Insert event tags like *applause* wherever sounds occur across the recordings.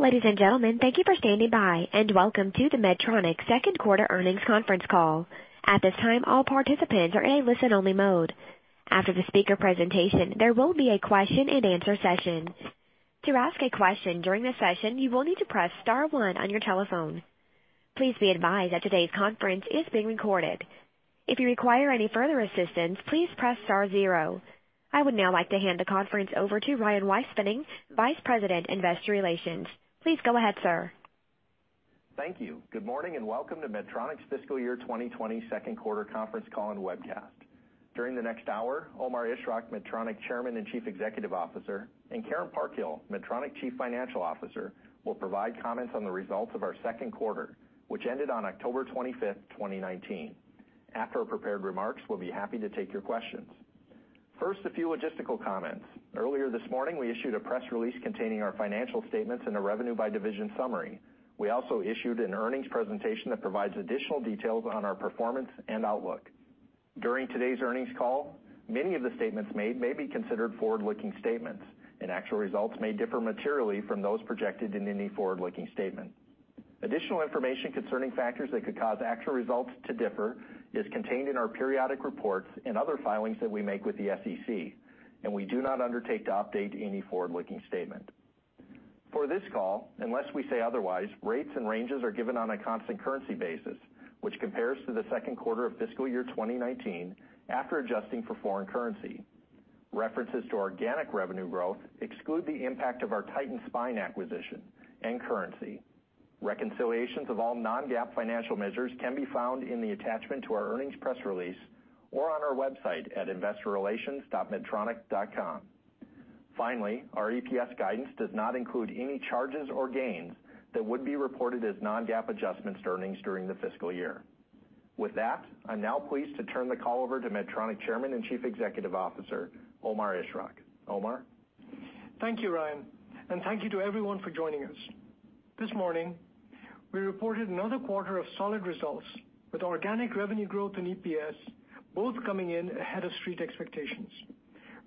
Ladies and gentlemen, thank you for standing by, and welcome to the Medtronic Second Quarter Earnings Conference Call. At this time, all participants are in a listen-only mode. After the speaker presentation, there will be a question-and-answer session. To ask a question during the session, you will need to press star one on your telephone. Please be advised that today's conference is being recorded. If you require any further assistance, please press star zero. I would now like to hand the conference over to Ryan Weispfenning, Vice President, Investor Relations. Please go ahead, sir. Thank you. Good morning and welcome to Medtronic's Fiscal Year 2020 Second Quarter Conference Call and Webcast. During the next hour, Omar Ishrak, Medtronic Chairman and Chief Executive Officer, and Karen Parkhill, Medtronic Chief Financial Officer, will provide comments on the results of our second quarter, which ended on October 25th, 2019. After our prepared remarks, we'll be happy to take your questions. First, a few logistical comments. Earlier this morning, we issued a press release containing our financial statements and a revenue by division summary. We also issued an earnings presentation that provides additional details on our performance and outlook. During today's earnings call, many of the statements made may be considered forward-looking statements. Actual results may differ materially from those projected in any forward-looking statement. Additional information concerning factors that could cause actual results to differ is contained in our periodic reports and other filings that we make with the SEC. We do not undertake to update any forward-looking statement. For this call, unless we say otherwise, rates and ranges are given on a constant currency basis, which compares to the second quarter of fiscal year 2019 after adjusting for foreign currency. References to organic revenue growth exclude the impact of our Titan Spine acquisition and currency. Reconciliations of all non-GAAP financial measures can be found in the attachment to our earnings press release or on our website at investorrelations.medtronic.com. Finally, our EPS guidance does not include any charges or gains that would be reported as non-GAAP adjustments to earnings during the fiscal year. With that, I'm now pleased to turn the call over to Medtronic Chairman and Chief Executive Officer, Omar Ishrak. Omar? Thank you, Ryan. Thank you to everyone for joining us. This morning, we reported another quarter of solid results with organic revenue growth and EPS both coming in ahead of Street expectations,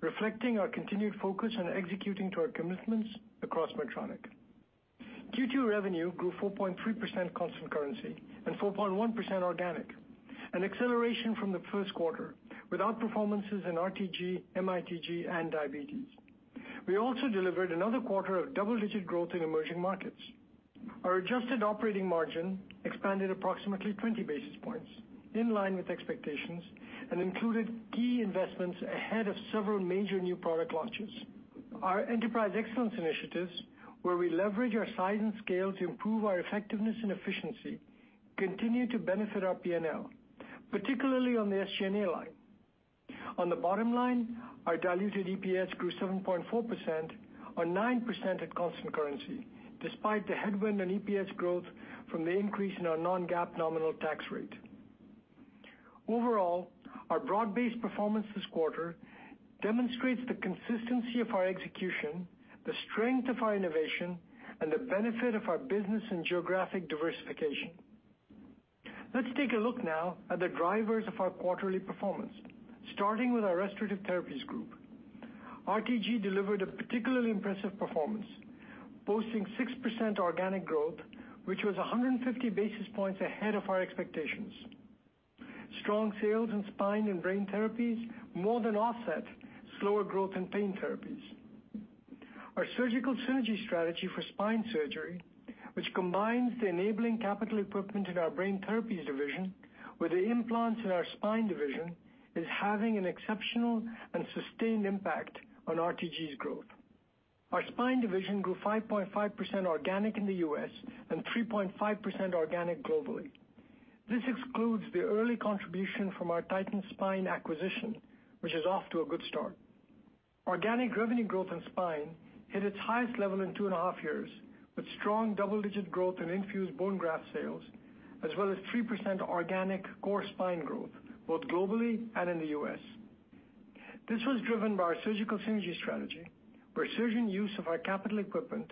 reflecting our continued focus on executing to our commitments across Medtronic. Q2 revenue grew 4.3% constant currency and 4.1% organic, an acceleration from the first quarter with outperformances in RTG, MITG, and diabetes. We also delivered another quarter of double-digit growth in emerging markets. Our adjusted operating margin expanded approximately 20 basis points, in line with expectations, and included key investments ahead of several major new product launches. Our enterprise excellence initiatives, where we leverage our size and scale to improve our effectiveness and efficiency, continue to benefit our P&L, particularly on the SG&A line. On the bottom line, our diluted EPS grew 7.4% or 9% at constant currency, despite the headwind on EPS growth from the increase in our non-GAAP nominal tax rate. Our broad-based performance this quarter demonstrates the consistency of our execution, the strength of our innovation, and the benefit of our business and geographic diversification. Let's take a look now at the drivers of our quarterly performance, starting with our Restorative Therapies Group. RTG delivered a particularly impressive performance, posting 6% organic growth, which was 150 basis points ahead of our expectations. Strong sales in spine and brain therapies more than offset slower growth in pain therapies. Our surgical synergy strategy for spine surgery, which combines the enabling capital equipment in our brain therapies division with the implants in our spine division, is having an exceptional and sustained impact on RTG's growth. Our spine division grew 5.5% organic in the U.S. and 3.5% organic globally. This excludes the early contribution from our Titan Spine acquisition, which is off to a good start. Organic revenue growth in spine hit its highest level in two and a half years, with strong double-digit growth in Infuse bone graft sales, as well as 3% organic core spine growth, both globally and in the U.S. This was driven by our surgical synergy strategy, where surgeon use of our capital equipment,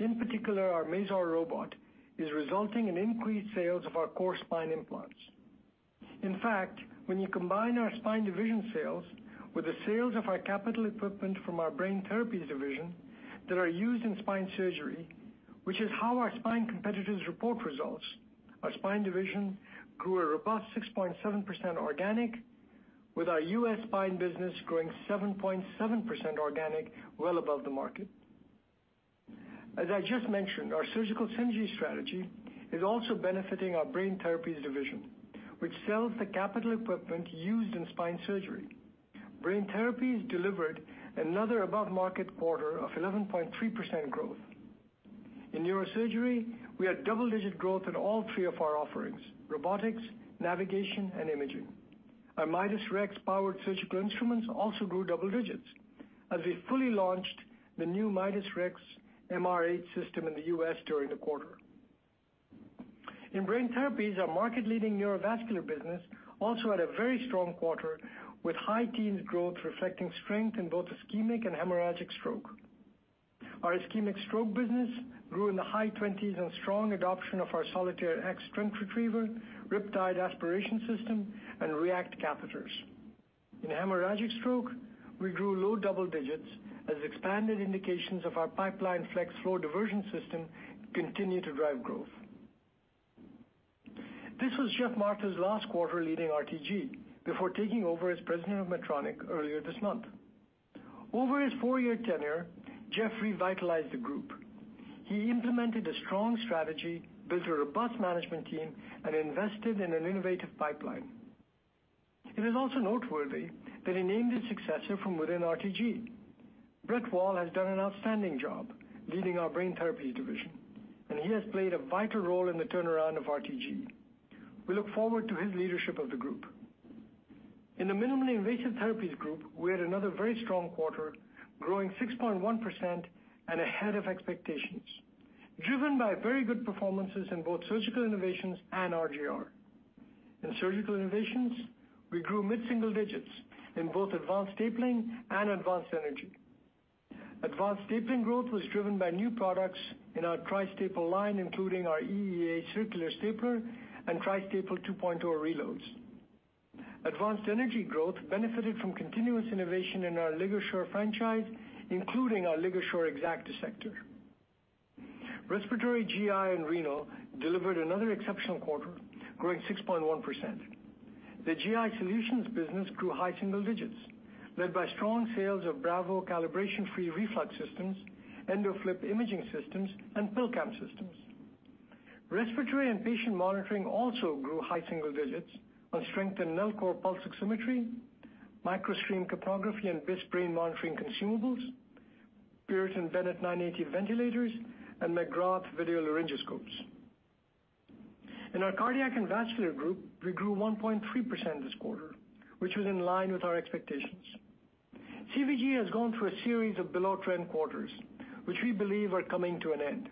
in particular our Mazor robot, is resulting in increased sales of our core spine implants. In fact, when you combine our Spine Division sales with the sales of our capital equipment from our Brain Therapies Division that are used in spine surgery, which is how our spine competitors report results, our Spine Division grew a robust 6.7% organic with our U.S. spine business growing 7.7% organic well above the market. As I just mentioned, our surgical synergy strategy is also benefiting our Brain Therapies Division, which sells the capital equipment used in spine surgery. Brain Therapies delivered another above-market quarter of 11.3% growth. In neurosurgery, we had double-digit growth in all three of our offerings, robotics, navigation, and imaging. Our Midas Rex-powered surgical instruments also grew double digits as we fully launched the new Midas Rex MR8 system in the U.S. during the quarter. In Brain Therapies, our market-leading neurovascular business also had a very strong quarter with high-teens growth reflecting strength in both ischemic and hemorrhagic stroke. Our ischemic stroke business grew in the high 20s on strong adoption of our Solitaire X Stent Retriever, Riptide Aspiration System, and React catheters. In hemorrhagic stroke, we grew low double digits as expanded indications of our Pipeline Flex flow diversion system continue to drive growth. This was Geoff Martha's last quarter leading RTG before taking over as President of Medtronic earlier this month. Over his four-year tenure, Geoff revitalized the group. He implemented a strong strategy, built a robust management team, and invested in an innovative pipeline. It is also noteworthy that he named his successor from within RTG. Brett Wall has done an outstanding job leading our Brain Therapies division, and he has played a vital role in the turnaround of RTG. We look forward to his leadership of the group. In the Minimally Invasive Therapies Group, we had another very strong quarter, growing 6.1% and ahead of expectations, driven by very good performances in both surgical innovations and RGR. In surgical innovations, we grew mid-single digits in both advanced stapling and advanced energy. Advanced stapling growth was driven by new products in our Tri-Staple line, including our EEA circular stapler and Tri-Staple 2.0 reloads. Advanced energy growth benefited from continuous innovation in our LigaSure franchise, including our LigaSure Exact Dissector. Respiratory, GI and renal delivered another exceptional quarter, growing 6.1%. The GI solutions business grew high single digits, led by strong sales of Bravo calibration-free reflux systems, EndoFLIP imaging systems, and PillCam systems. Respiratory and patient monitoring also grew high single digits on strength in Nellcor pulse oximetry, Microstream capnography and BIS brain monitoring consumables, Puritan Bennett 980 ventilators, and McGRATH video laryngoscopes. In our Cardiac and Vascular Group, we grew 1.3% this quarter, which was in line with our expectations. CVG has gone through a series of below-trend quarters, which we believe are coming to an end.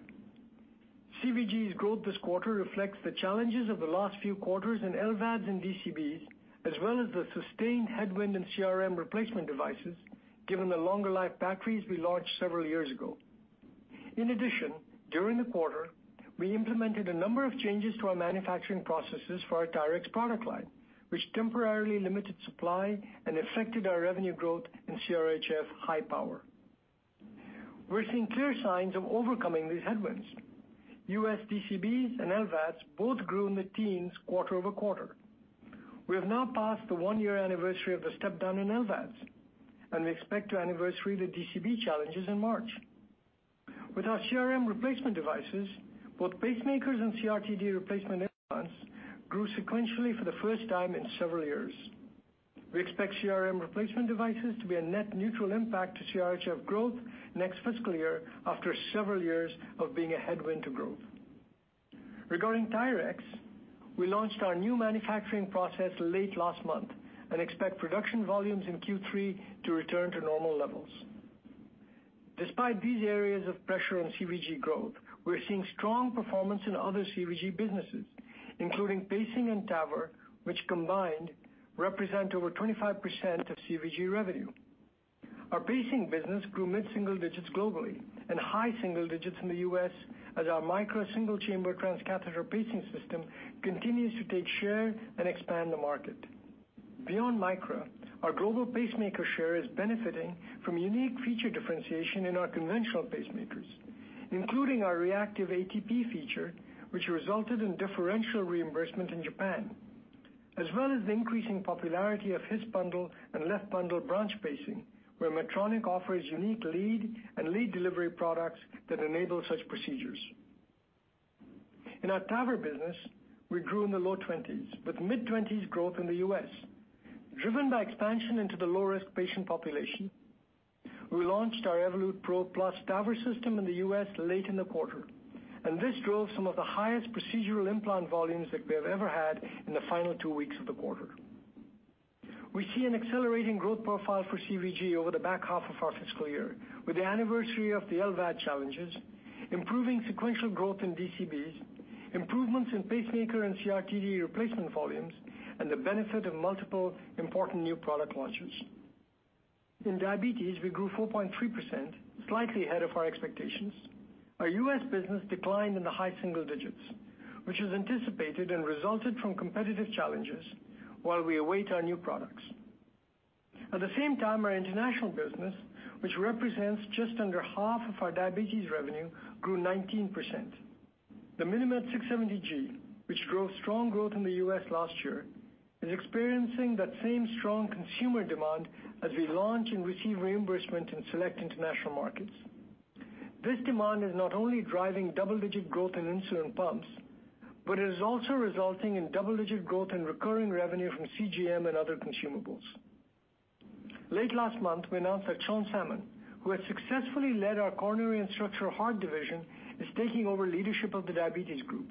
CVG's growth this quarter reflects the challenges of the last few quarters in LVADs and DCBs, as well as the sustained headwind in CRM replacement devices, given the longer life batteries we launched several years ago. In addition, during the quarter, we implemented a number of changes to our manufacturing processes for our TYRX product line, which temporarily limited supply and affected our revenue growth in CRHF high power. We're seeing clear signs of overcoming these headwinds. U.S. DCBs and LVADs both grew in the teens quarter-over-quarter. We have now passed the one-year anniversary of the step-down in LVADs. We expect to anniversary the DCB challenges in March. With our CRM replacement devices, both pacemakers and CRT-D replacement implants grew sequentially for the first time in several years. We expect CRM replacement devices to be a net neutral impact to CRHF growth next fiscal year after several years of being a headwind to growth. Regarding TYRX, we launched our new manufacturing process late last month. We expect production volumes in Q3 to return to normal levels. Despite these areas of pressure on CVG growth, we're seeing strong performance in other CVG businesses, including pacing and TAVR, which combined represent over 25% of CVG revenue. Our pacing business grew mid-single digits globally and high single digits in the U.S. as our Micra single-chamber transcatheter pacing system continues to take share and expand the market. Beyond Micra, our global pacemaker share is benefiting from unique feature differentiation in our conventional pacemakers, including our Reactive ATP feature, which resulted in differential reimbursement in Japan. As well as the increasing popularity of His-bundle and left bundle branch pacing, where Medtronic offers unique lead and lead delivery products that enable such procedures. In our TAVR business, we grew in the low 20s, with mid-20s growth in the U.S., driven by expansion into the low-risk patient population. We launched our Evolut PRO+ TAVR system in the U.S. late in the quarter, and this drove some of the highest procedural implant volumes that we have ever had in the final two weeks of the quarter. We see an accelerating growth profile for CVG over the back half of our fiscal year with the anniversary of the LVAD challenges, improving sequential growth in DCBs, improvements in pacemaker and CRT-D replacement volumes, and the benefit of multiple important new product launches. In diabetes, we grew 4.3%, slightly ahead of our expectations. Our U.S. business declined in the high single digits, which was anticipated and resulted from competitive challenges while we await our new products. At the same time, our international business, which represents just under half of our diabetes revenue, grew 19%. The MiniMed 670G, which showed strong growth in the U.S. last year, is experiencing that same strong consumer demand as we launch and receive reimbursement in select international markets. This demand is not only driving double-digit growth in insulin pumps, but it is also resulting in double-digit growth in recurring revenue from CGM and other consumables. Late last month, we announced that Sean Salmon, who has successfully led our coronary and structural heart division, is taking over leadership of the Diabetes group.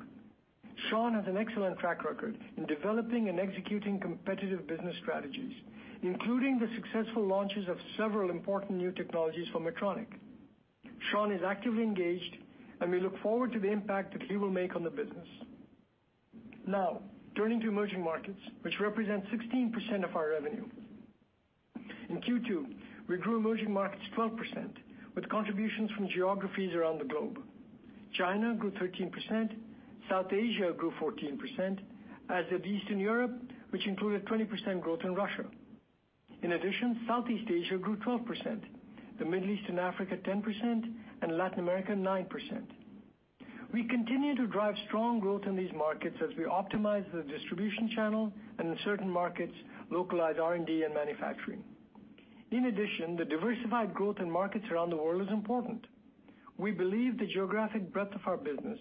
Sean has an excellent track record in developing and executing competitive business strategies, including the successful launches of several important new technologies for Medtronic. Sean is actively engaged, and we look forward to the impact that he will make on the business. Now, turning to emerging markets, which represent 16% of our revenue. In Q2, we grew emerging markets 12%, with contributions from geographies around the globe. China grew 13%, South Asia grew 14%, as did Eastern Europe, which included 20% growth in Russia. Southeast Asia grew 12%, the Middle East and Africa 10%, and Latin America 9%. We continue to drive strong growth in these markets as we optimize the distribution channel, and in certain markets, localize R&D and manufacturing. The diversified growth in markets around the world is important. We believe the geographic breadth of our business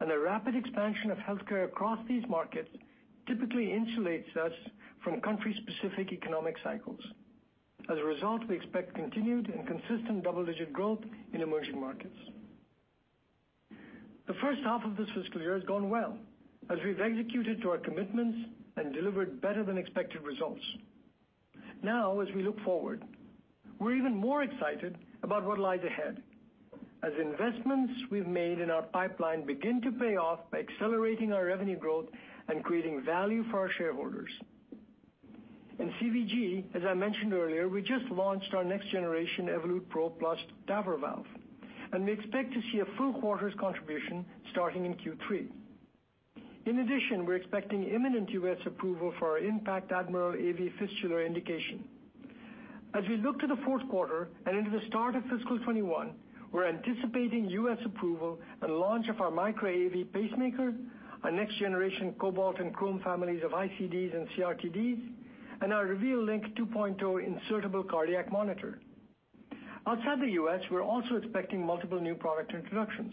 and the WRAP-IT expansion of healthcare across these markets typically insulates us from country-specific economic cycles. We expect continued and consistent double-digit growth in emerging markets. The first half of this fiscal year has gone well, as we've executed to our commitments and delivered better than expected results. As we look forward, we're even more excited about what lies ahead. Investments we've made in our pipeline begin to pay off by accelerating our revenue growth and creating value for our shareholders. In CVG, as I mentioned earlier, we just launched our next generation Evolut PRO+ TAVR valve, and we expect to see a full quarter's contribution starting in Q3. We're expecting imminent US approval for our IN.PACT Admiral AV fistula indication. As we look to the fourth quarter and into the start of fiscal 2021, we're anticipating US approval and launch of our Micra AV pacemaker, our next generation Cobalt and Crome families of ICDs and CRT-Ds, and our Reveal LINQ 2.0 insertable cardiac monitor. We're also expecting multiple new product introductions,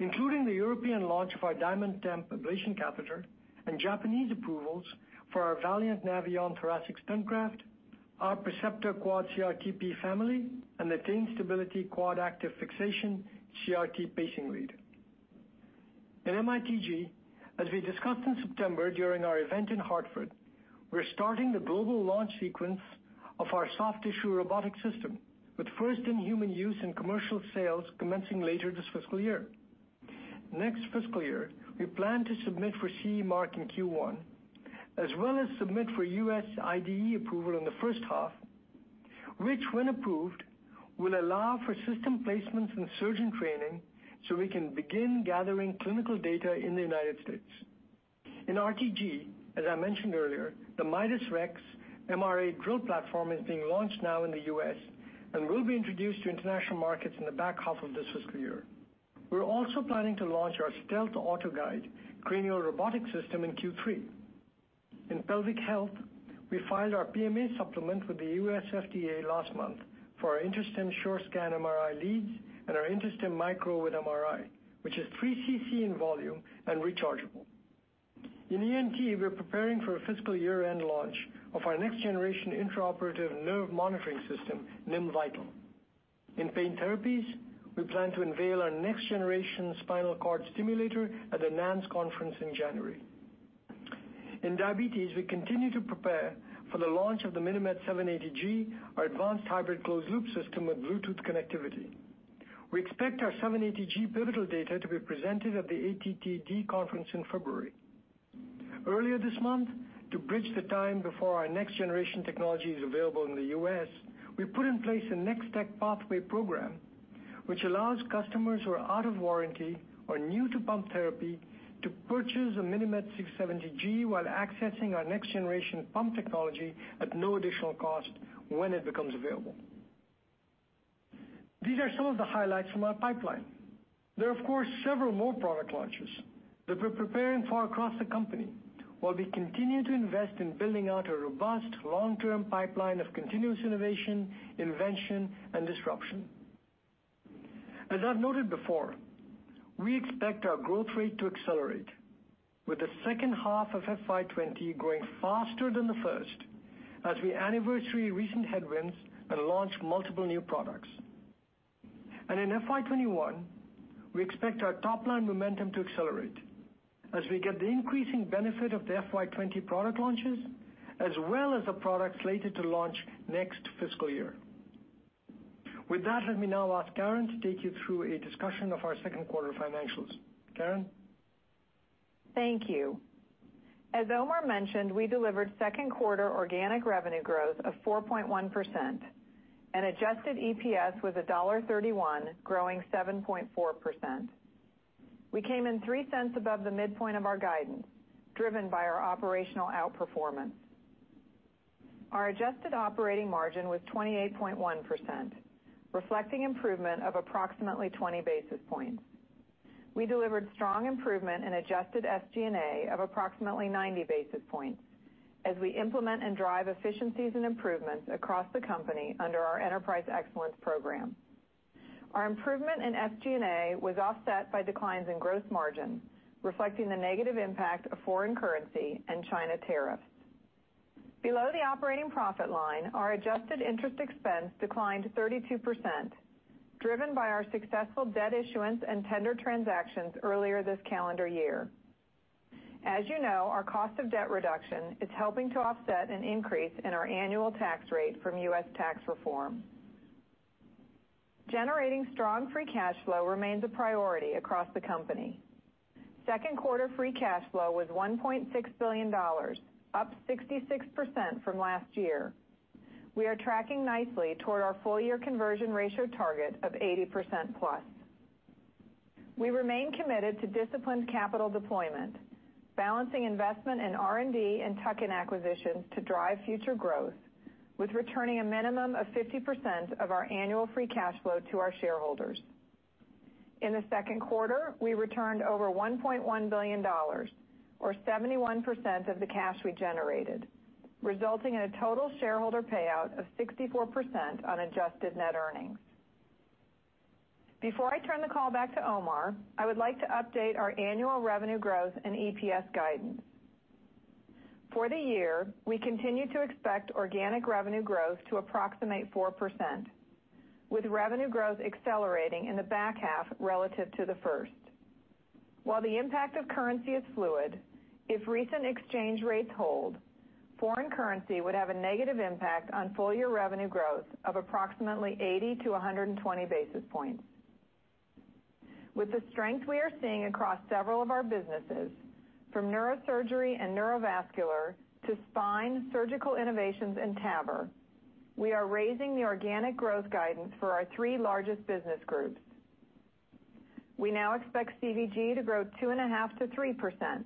including the European launch of our DiamondTemp ablation catheter and Japanese approvals for our Valiant Navion thoracic stent graft, our Percepta Quad CRT-P family, and Attain Stability Quad Active Fixation CRT pacing lead. In MITG, as we discussed in September during our event in Hartford, we're starting the global launch sequence of our soft tissue robotic system, with first in human use in commercial sales commencing later this fiscal year. Next fiscal year, we plan to submit for CE mark in Q1, as well as submit for U.S. IDE approval in the first half, which when approved, will allow for system placements and surgeon training so we can begin gathering clinical data in the United States. In RTG, as I mentioned earlier, the Midas Rex MR8 drill platform is being launched now in the U.S. and will be introduced to international markets in the back half of this fiscal year. We're also planning to launch our Stealth Autoguide cranial robotic system in Q3. In Pelvic Health, we filed our PMA supplement with the U.S. FDA last month for our InterStim SureScan MRI leads and our InterStim Micro with MRI, which is 3cc in volume and rechargeable. In ENT, we're preparing for a fiscal year-end launch of our next generation intraoperative nerve monitoring system, NIM Vital. In Pain Therapies, we plan to unveil our next generation spinal cord stimulator at the NANS conference in January. In Diabetes, we continue to prepare for the launch of the MiniMed 780G, our advanced hybrid closed loop system with Bluetooth connectivity. We expect our 780G pivotal data to be presented at the ATTD conference in February. Earlier this month, to bridge the time before our next generation technology is available in the U.S., we put in place a Next Tech Pathway program, which allows customers who are out of warranty or new to pump therapy to purchase a MiniMed 670G while accessing our next generation pump technology at no additional cost when it becomes available. These are some of the highlights from our pipeline. There are of course, several more product launches that we're preparing for across the company, while we continue to invest in building out a robust long-term pipeline of continuous innovation, invention, and disruption. As I've noted before, we expect our growth rate to accelerate with the second half of FY 2020 growing faster than the first as we anniversary recent headwinds and launch multiple new products. In FY 2021, we expect our top line momentum to accelerate as we get the increasing benefit of the FY 2020 product launches, as well as the products slated to launch next fiscal year. With that, let me now ask Karen to take you through a discussion of our second quarter financials. Karen. Thank you. As Omar mentioned, we delivered second quarter organic revenue growth of 4.1%, and adjusted EPS was $1.31, growing 7.4%. We came in $0.03 above the midpoint of our guidance, driven by our operational outperformance. Our adjusted operating margin was 28.1%, reflecting improvement of approximately 20 basis points. We delivered strong improvement in adjusted SG&A of approximately 90 basis points as we implement and drive efficiencies and improvements across the company under our Enterprise Excellence program. Our improvement in SG&A was offset by declines in gross margin, reflecting the negative impact of foreign currency and China tariffs. Below the operating profit line, our adjusted interest expense declined 32%, driven by our successful debt issuance and tender transactions earlier this calendar year. As you know, our cost of debt reduction is helping to offset an increase in our annual tax rate from U.S. tax reform. Generating strong free cash flow remains a priority across the company. Second quarter free cash flow was $1.6 billion, up 66% from last year. We are tracking nicely toward our full-year conversion ratio target of 80%+. We remain committed to disciplined capital deployment, balancing investment in R&D and tuck-in acquisitions to drive future growth, with returning a minimum of 50% of our annual free cash flow to our shareholders. In the second quarter, we returned over $1.1 billion, or 71% of the cash we generated, resulting in a total shareholder payout of 64% on adjusted net earnings. Before I turn the call back to Omar, I would like to update our annual revenue growth and EPS guidance. For the year, we continue to expect organic revenue growth to approximate 4%, with revenue growth accelerating in the back half relative to the first. While the impact of currency is fluid, if recent exchange rates hold, foreign currency would have a negative impact on full-year revenue growth of approximately 80 to 120 basis points. With the strength we are seeing across several of our businesses, from neurosurgery and neurovascular to spine surgical innovations and TAVR, we are raising the organic growth guidance for our three largest business groups. We now expect CVG to grow 2.5% to 3%,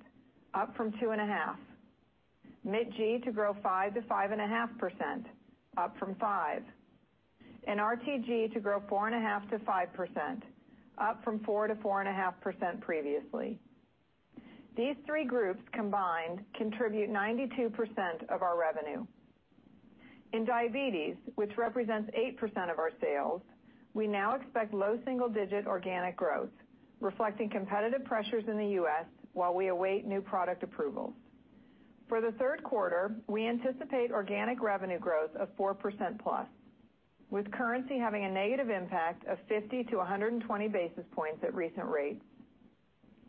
up from 2.5%, MITG to grow 5% to 5.5%, up from 5%, and RTG to grow 4.5% to 5%, up from 4% to 4.5% previously. These three groups combined contribute 92% of our revenue. In diabetes, which represents 8% of our sales, we now expect low single-digit organic growth, reflecting competitive pressures in the U.S. while we await new product approvals. For the third quarter, we anticipate organic revenue growth of 4%+, with currency having a negative impact of 50 to 120 basis points at recent rates.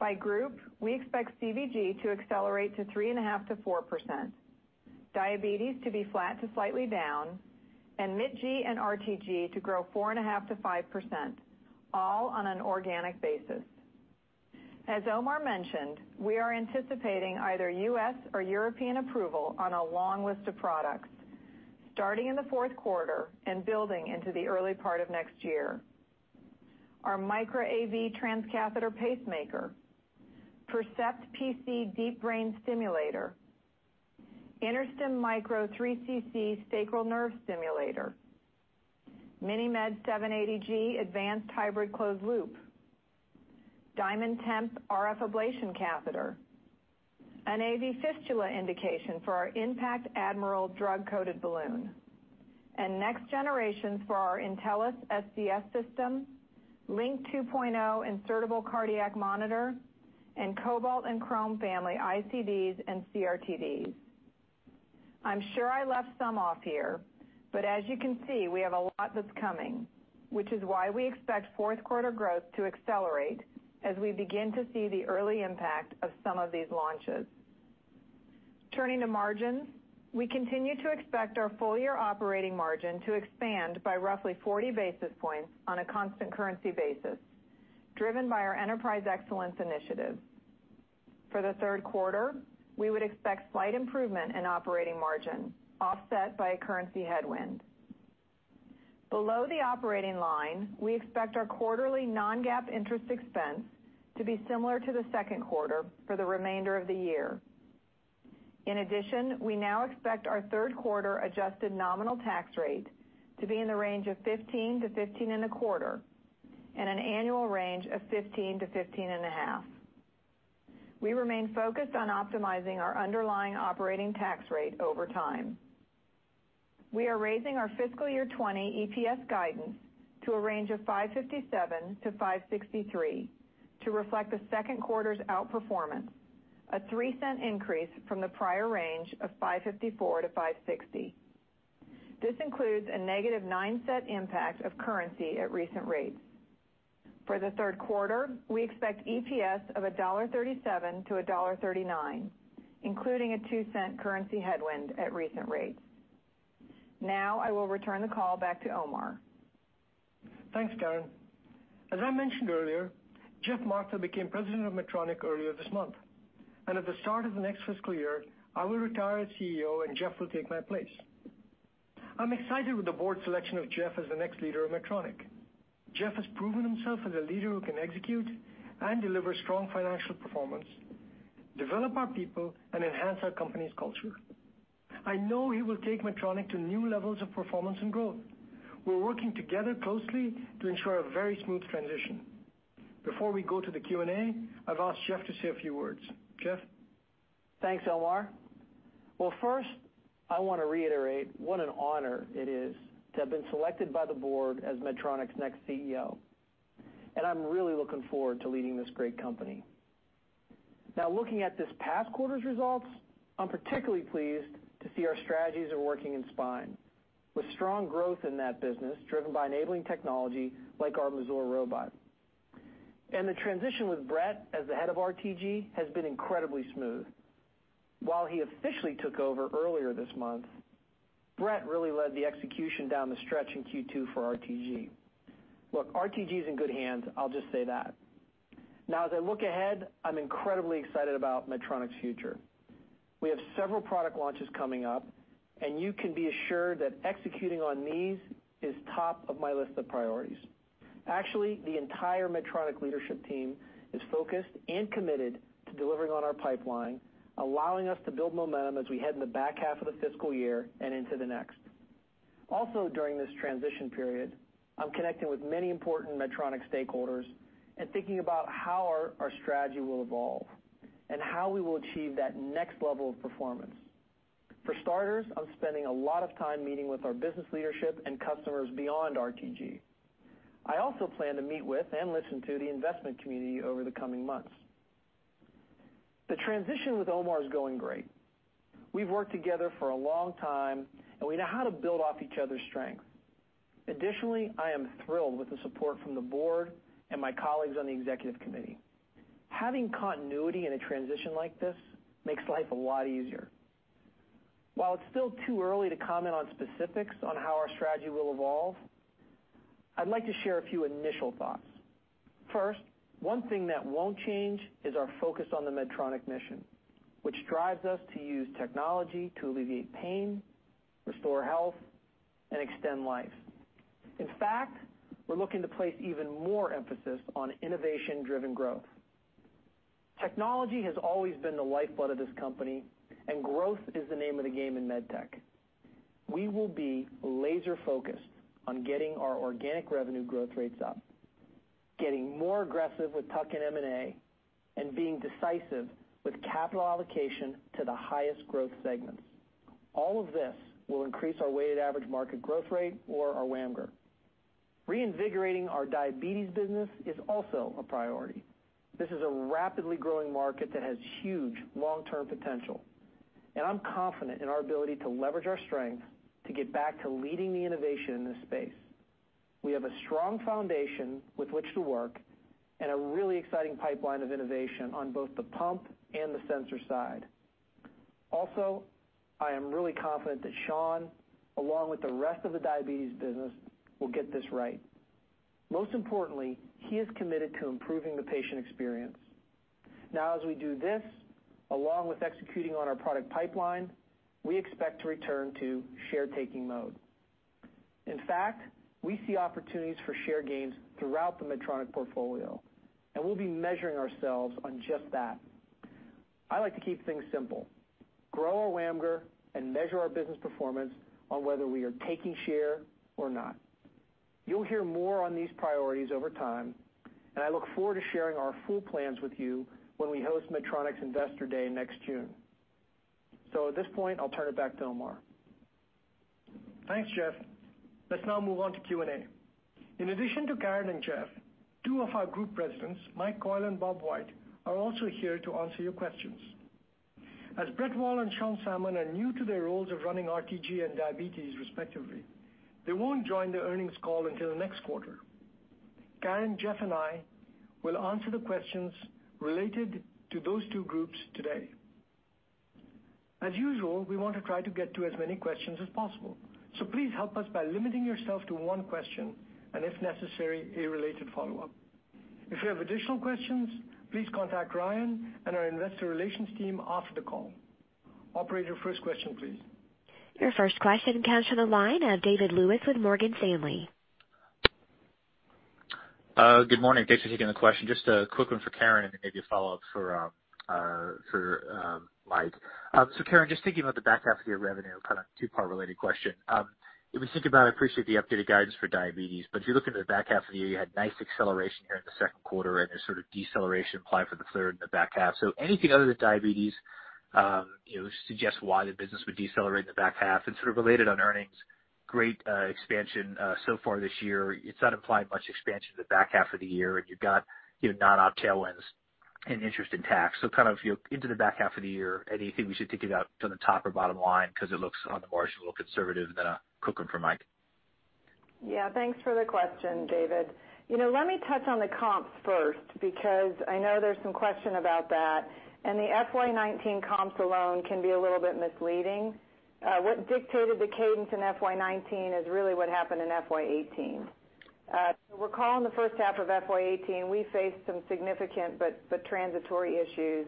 By group, we expect CVG to accelerate to 3.5%-4%, Diabetes to be flat to slightly down, and MITG and RTG to grow 4.5%-5%, all on an organic basis. As Omar mentioned, we are anticipating either U.S. or European approval on a long list of products, starting in the fourth quarter and building into the early part of next year. Our Micra AV transcatheter pacemaker, Percept PC deep brain stimulator, InterStim Micro 3cc sacral nerve stimulator, MiniMed 780G advanced hybrid closed loop, DiamondTemp RF ablation catheter, an AV fistula indication for our IN.PACT Admiral drug-coated balloon, and next generations for our Intellis SCS system, LINQ II insertable cardiac monitor, and Cobalt and Crome family ICDs and CRT-Ds. I'm sure I left some off here, as you can see, we have a lot that's coming, which is why we expect fourth quarter growth to accelerate as we begin to see the early impact of some of these launches. Turning to margins, we continue to expect our full-year operating margin to expand by roughly 40 basis points on a constant currency basis, driven by our enterprise excellence initiatives. For the third quarter, we would expect slight improvement in operating margin offset by a currency headwind. Below the operating line, we expect our quarterly non-GAAP interest expense to be similar to the second quarter for the remainder of the year. We now expect our third quarter adjusted nominal tax rate to be in the range of 15%-15.25%, and an annual range of 15%-15.5%. We remain focused on optimizing our underlying operating tax rate over time. We are raising our fiscal year 2020 EPS guidance to a range of $5.57-$5.63 to reflect the second quarter's outperformance, a $0.03 increase from the prior range of $5.54-$5.60. This includes a negative $0.09 impact of currency at recent rates. For the third quarter, we expect EPS of $1.37-$1.39, including a $0.02 currency headwind at recent rates. Now I will return the call back to Omar. Thanks, Karen. As I mentioned earlier, Geoff Martha became president of Medtronic earlier this month. At the start of the next fiscal year, I will retire as CEO, and Geoff will take my place. I'm excited with the board's selection of Geoff as the next leader of Medtronic. Geoff has proven himself as a leader who can execute and deliver strong financial performance, develop our people, and enhance our company's culture. I know he will take Medtronic to new levels of performance and growth. We're working together closely to ensure a very smooth transition. Before we go to the Q&A, I've asked Geoff to say a few words. Geoff? Thanks, Omar. Well, first, I want to reiterate what an honor it is to have been selected by the board as Medtronic's next CEO. I'm really looking forward to leading this great company. Now, looking at this past quarter's results, I'm particularly pleased to see our strategies are working in spine, with strong growth in that business driven by enabling technology like our Mazor robot. The transition with Brett as the head of RTG has been incredibly smooth. While he officially took over earlier this month, Brett really led the execution down the stretch in Q2 for RTG. Look, RTG is in good hands, I'll just say that. As I look ahead, I'm incredibly excited about Medtronic's future. We have several product launches coming up, and you can be assured that executing on these is top of my list of priorities. Actually, the entire Medtronic leadership team is focused and committed to delivering on our pipeline, allowing us to build momentum as we head in the back half of the fiscal year and into the next. During this transition period, I'm connecting with many important Medtronic stakeholders and thinking about how our strategy will evolve and how we will achieve that next level of performance. For starters, I'm spending a lot of time meeting with our business leadership and customers beyond RTG. I also plan to meet with and listen to the investment community over the coming months. The transition with Omar is going great. We've worked together for a long time, and we know how to build off each other's strengths. Additionally, I am thrilled with the support from the board and my colleagues on the Executive Committee. Having continuity in a transition like this makes life a lot easier. While it's still too early to comment on specifics on how our strategy will evolve, I'd like to share a few initial thoughts. First, one thing that won't change is our focus on the Medtronic mission, which drives us to use technology to alleviate pain, restore health, and extend life. In fact, we're looking to place even more emphasis on innovation-driven growth. Technology has always been the lifeblood of this company, and growth is the name of the game in med tech. We will be laser-focused on getting our organic revenue growth rates up, getting more aggressive with tuck-in M&A, and being decisive with capital allocation to the highest growth segments. All of this will increase our weighted average market growth rate or our WAMGR. Reinvigorating our diabetes business is also a priority. This is a rapidly growing market that has huge long-term potential, and I'm confident in our ability to leverage our strengths to get back to leading the innovation in this space. We have a strong foundation with which to work and a really exciting pipeline of innovation on both the pump and the sensor side. Also, I am really confident that Sean, along with the rest of the diabetes business, will get this right. Most importantly, he is committed to improving the patient experience. As we do this, along with executing on our product pipeline, we expect to return to share taking mode. In fact, we see opportunities for share gains throughout the Medtronic portfolio, and we'll be measuring ourselves on just that. I like to keep things simple, grow our WAMGR and measure our business performance on whether we are taking share or not. You'll hear more on these priorities over time, and I look forward to sharing our full plans with you when we host Medtronic's Investor Day next June. At this point, I'll turn it back to Omar. Thanks, Geoff. Let's now move on to Q&A. In addition to Karen and Geoff, two of our group presidents, Mike Coyle and Bob White, are also here to answer your questions. As Brett Wall and Sean Salmon are new to their roles of running RTG and diabetes respectively, they won't join the earnings call until next quarter. Karen, Geoff, and I will answer the questions related to those two groups today. As usual, we want to try to get to as many questions as possible. Please help us by limiting yourself to one question and if necessary, a related follow-up. If you have additional questions, please contact Ryan and our investor relations team after the call. Operator, first question, please. Your first question comes from the line of David Lewis with Morgan Stanley. Good morning. Thanks for taking the question. Just a quick one for Karen, and then maybe a follow-up for Mike. Karen, just thinking about the back half of your revenue, kind of two-part related question. If we think about, I appreciate the updated guidance for Medtronic Diabetes, but if you look into the back half of the year, you had nice acceleration here in the second quarter and a sort of deceleration implied for the third and the back half. Anything other than Medtronic Diabetes suggest why the business would decelerate in the back half? Sort of related on earnings, great expansion so far this year. It's not implying much expansion in the back half of the year, and you've got non-op tailwinds in interest and tax. Kind of into the back half of the year, anything we should be thinking of to the top or bottom line because it looks on the margin a little conservative. A quick one for Mike. Yeah. Thanks for the question, David. Let me touch on the comps first because I know there's some question about that. The FY 2019 comps alone can be a little bit misleading. Recall in the first half of FY 2018, we faced some significant but transitory issues,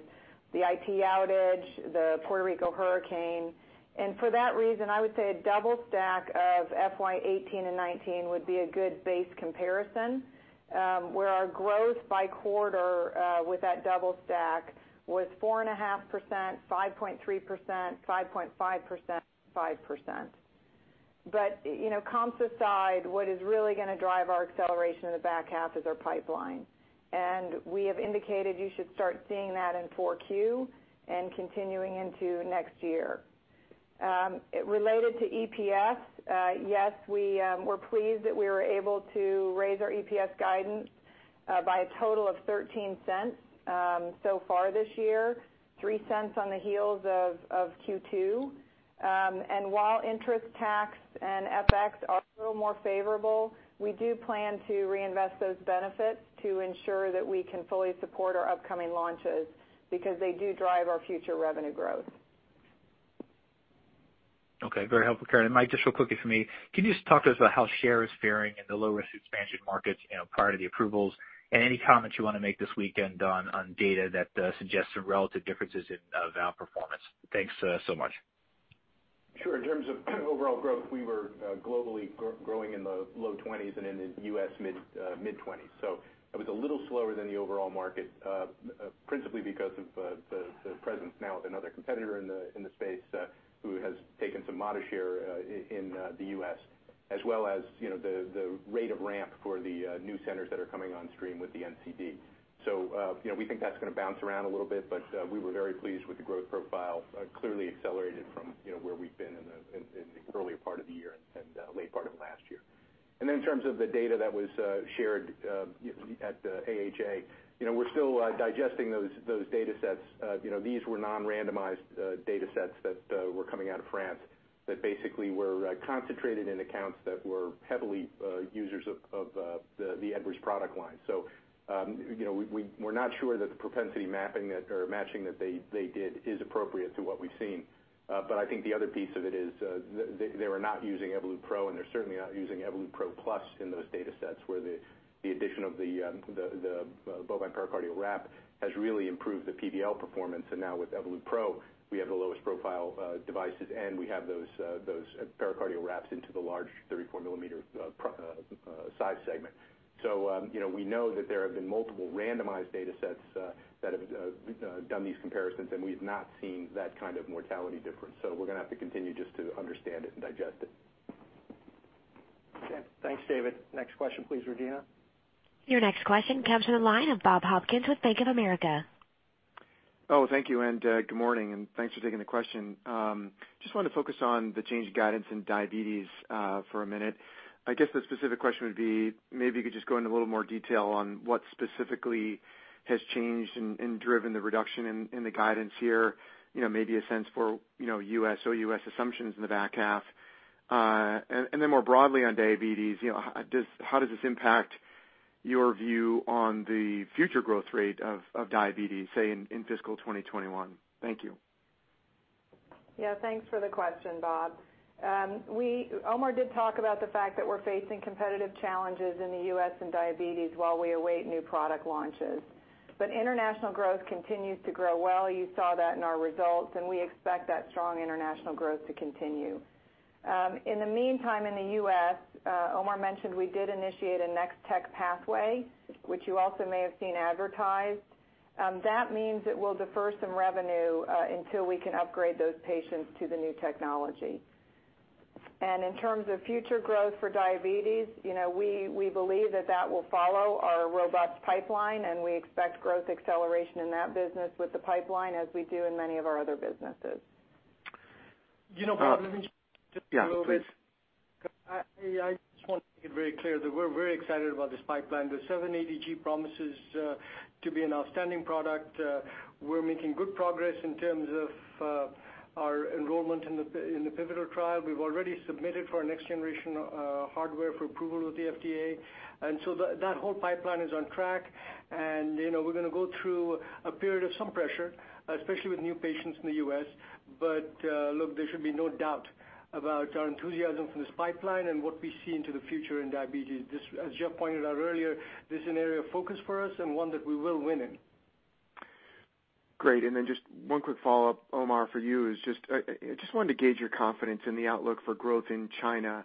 the IT outage, the Puerto Rico hurricane, and for that reason, I would say a double stack of FY 2018 and 2019 would be a good base comparison. Where our growth by quarter with that double stack was 4.5%, 5.3%, 5.5%, 5%. Comps aside, what is really going to drive our acceleration in the back half is our pipeline. We have indicated you should start seeing that in 4Q and continuing into next year. Related to EPS, yes, we were pleased that we were able to raise our EPS guidance by a total of $0.13 so far this year, $0.03 on the heels of Q2. While interest tax and FX are a little more favorable, we do plan to reinvest those benefits to ensure that we can fully support our upcoming launches because they do drive our future revenue growth. Okay. Very helpful, Karen. Mike, just real quickly for me, can you just talk to us about how share is faring in the low-risk expansion markets prior to the approvals and any comments you want to make this weekend on data that suggests some relative differences in valve performance? Thanks so much. Sure. In terms of overall growth, we were globally growing in the low 20s and in the U.S. mid-20s. It was a little slower than the overall market, principally because of the presence now of another competitor in the space who has taken some modest share in the U.S., as well as the rate of ramp for the new centers that are coming on stream with the NCD. We think that's going to bounce around a little bit, but we were very pleased with the growth profile, clearly accelerated from where we've been in the earlier part of the year and late part of last year. In terms of the data that was shared at AHA, we're still digesting those data sets. These were non-randomized data sets that were coming out of France that basically were concentrated in accounts that were heavily users of the Edwards. We're not sure that the propensity mapping or matching that they did is appropriate to what we've seen. I think the other piece of it is they were not using Evolut PRO, and they're certainly not using Evolut PRO+ in those data sets where the addition of the bovine pericardial wrap has really improved the PVL performance. Now with Evolut PRO, we have the lowest profile devices, and we have those pericardial wraps into the large 34-millimeter size segment. We know that there have been multiple randomized data sets that have done these comparisons, and we have not seen that kind of mortality difference. We're going to have to continue just to understand it and digest it. Okay. Thanks, David. Next question please, Regina. Your next question comes from the line of Bob Hopkins with Bank of America. Oh, thank you, and good morning, and thanks for taking the question. Just want to focus on the change in guidance in diabetes for a minute. I guess the specific question would be, maybe you could just go into a little more detail on what specifically has changed and driven the reduction in the guidance here, maybe a sense for U.S. or U.S. assumptions in the back half? Then more broadly on diabetes, how does this impact your view on the future growth rate of diabetes, say, in fiscal 2021? Thank you. Thanks for the question, Bob. Omar did talk about the fact that we're facing competitive challenges in the U.S. in diabetes while we await new product launches. International growth continues to grow well. You saw that in our results, we expect that strong international growth to continue. In the meantime, in the U.S., Omar mentioned we did initiate a Next Tech Pathway, which you also may have seen advertised. That means it will defer some revenue until we can upgrade those patients to the new technology. In terms of future growth for diabetes, we believe that that will follow our robust pipeline, we expect growth acceleration in that business with the pipeline as we do in many of our other businesses. Bob. Yeah, please I just want to make it very clear that we're very excited about this pipeline. The 780G promises to be an outstanding product. We're making good progress in terms of our enrollment in the pivotal trial. We've already submitted for our next generation hardware for approval with the FDA. That whole pipeline is on track. We're going to go through a period of some pressure, especially with new patients in the U.S. Look, there should be no doubt about our enthusiasm for this pipeline and what we see into the future in diabetes. As Geoff pointed out earlier, this is an area of focus for us and one that we will win in. Great. Just one quick follow-up, Omar, for you is, I just wanted to gauge your confidence in the outlook for growth in China.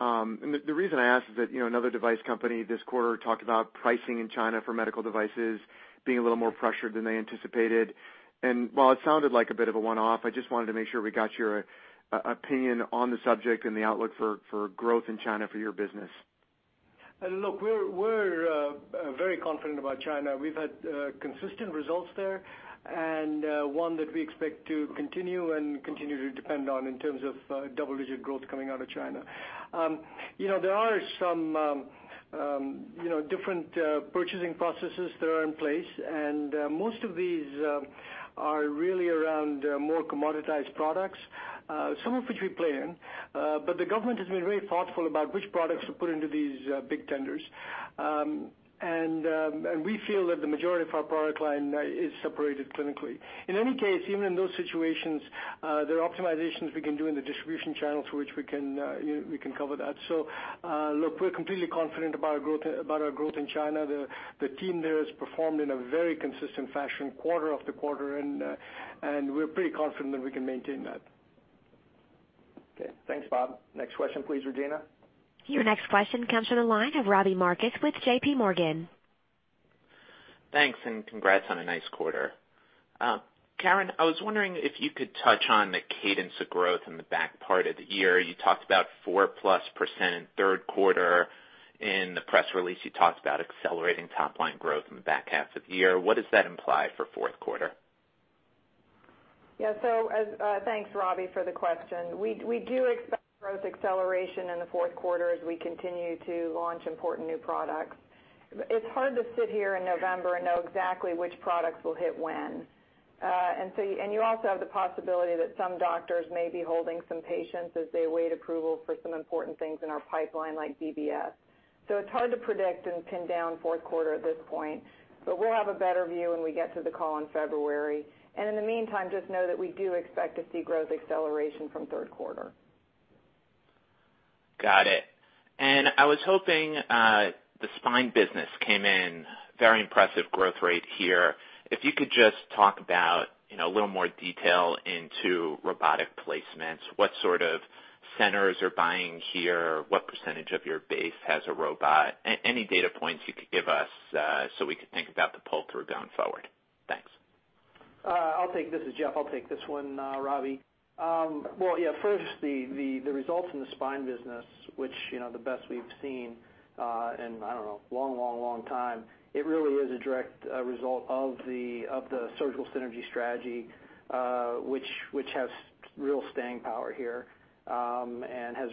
The reason I ask is that another device company this quarter talked about pricing in China for medical devices being a little more pressured than they anticipated. While it sounded like a bit of a one-off, I just wanted to make sure we got your opinion on the subject and the outlook for growth in China for your business. Look, we're very confident about China. We've had consistent results there, and one that we expect to continue and continue to depend on in terms of double-digit growth coming out of China. There are some different purchasing processes that are in place, and most of these are really around more commoditized products, some of which we play in. The government has been very thoughtful about which products to put into these big tenders. We feel that the majority of our product line is separated clinically. In any case, even in those situations, there are optimizations we can do in the distribution channels for which we can cover that. Look, we're completely confident about our growth in China. The team there has performed in a very consistent fashion quarter after quarter, and we're pretty confident that we can maintain that. Okay. Thanks, Bob. Next question please, Regina. Your next question comes from the line of Robbie Marcus with JPMorgan. Thanks, and congrats on a nice quarter. Karen, I was wondering if you could touch on the cadence of growth in the back part of the year. You talked about 4+% third quarter. In the press release, you talked about accelerating top-line growth in the back half of the year. What does that imply for fourth quarter? Yeah. Thanks, Robbie, for the question. We do expect growth acceleration in the fourth quarter as we continue to launch important new products. It's hard to sit here in November and know exactly which products will hit when. You also have the possibility that some doctors may be holding some patients as they await approval for some important things in our pipeline, like DBS. It's hard to predict and pin down fourth quarter at this point, but we'll have a better view when we get to the call in February. In the meantime, just know that we do expect to see growth acceleration from third quarter. Got it. I was hoping, the spine business came in very impressive growth rate here. If you could just talk about a little more detail into robotic placements, what sort of centers are buying here, what percentage of your base has a robot? Any data points you could give us so we could think about the pull-through going forward. Thanks. This is Geoff. I'll take this one, Robbie. Well, first, the results in the spine business, which the best we've seen in, I don't know, a long time. It really is a direct result of the surgical synergy strategy, which has real staying power here and has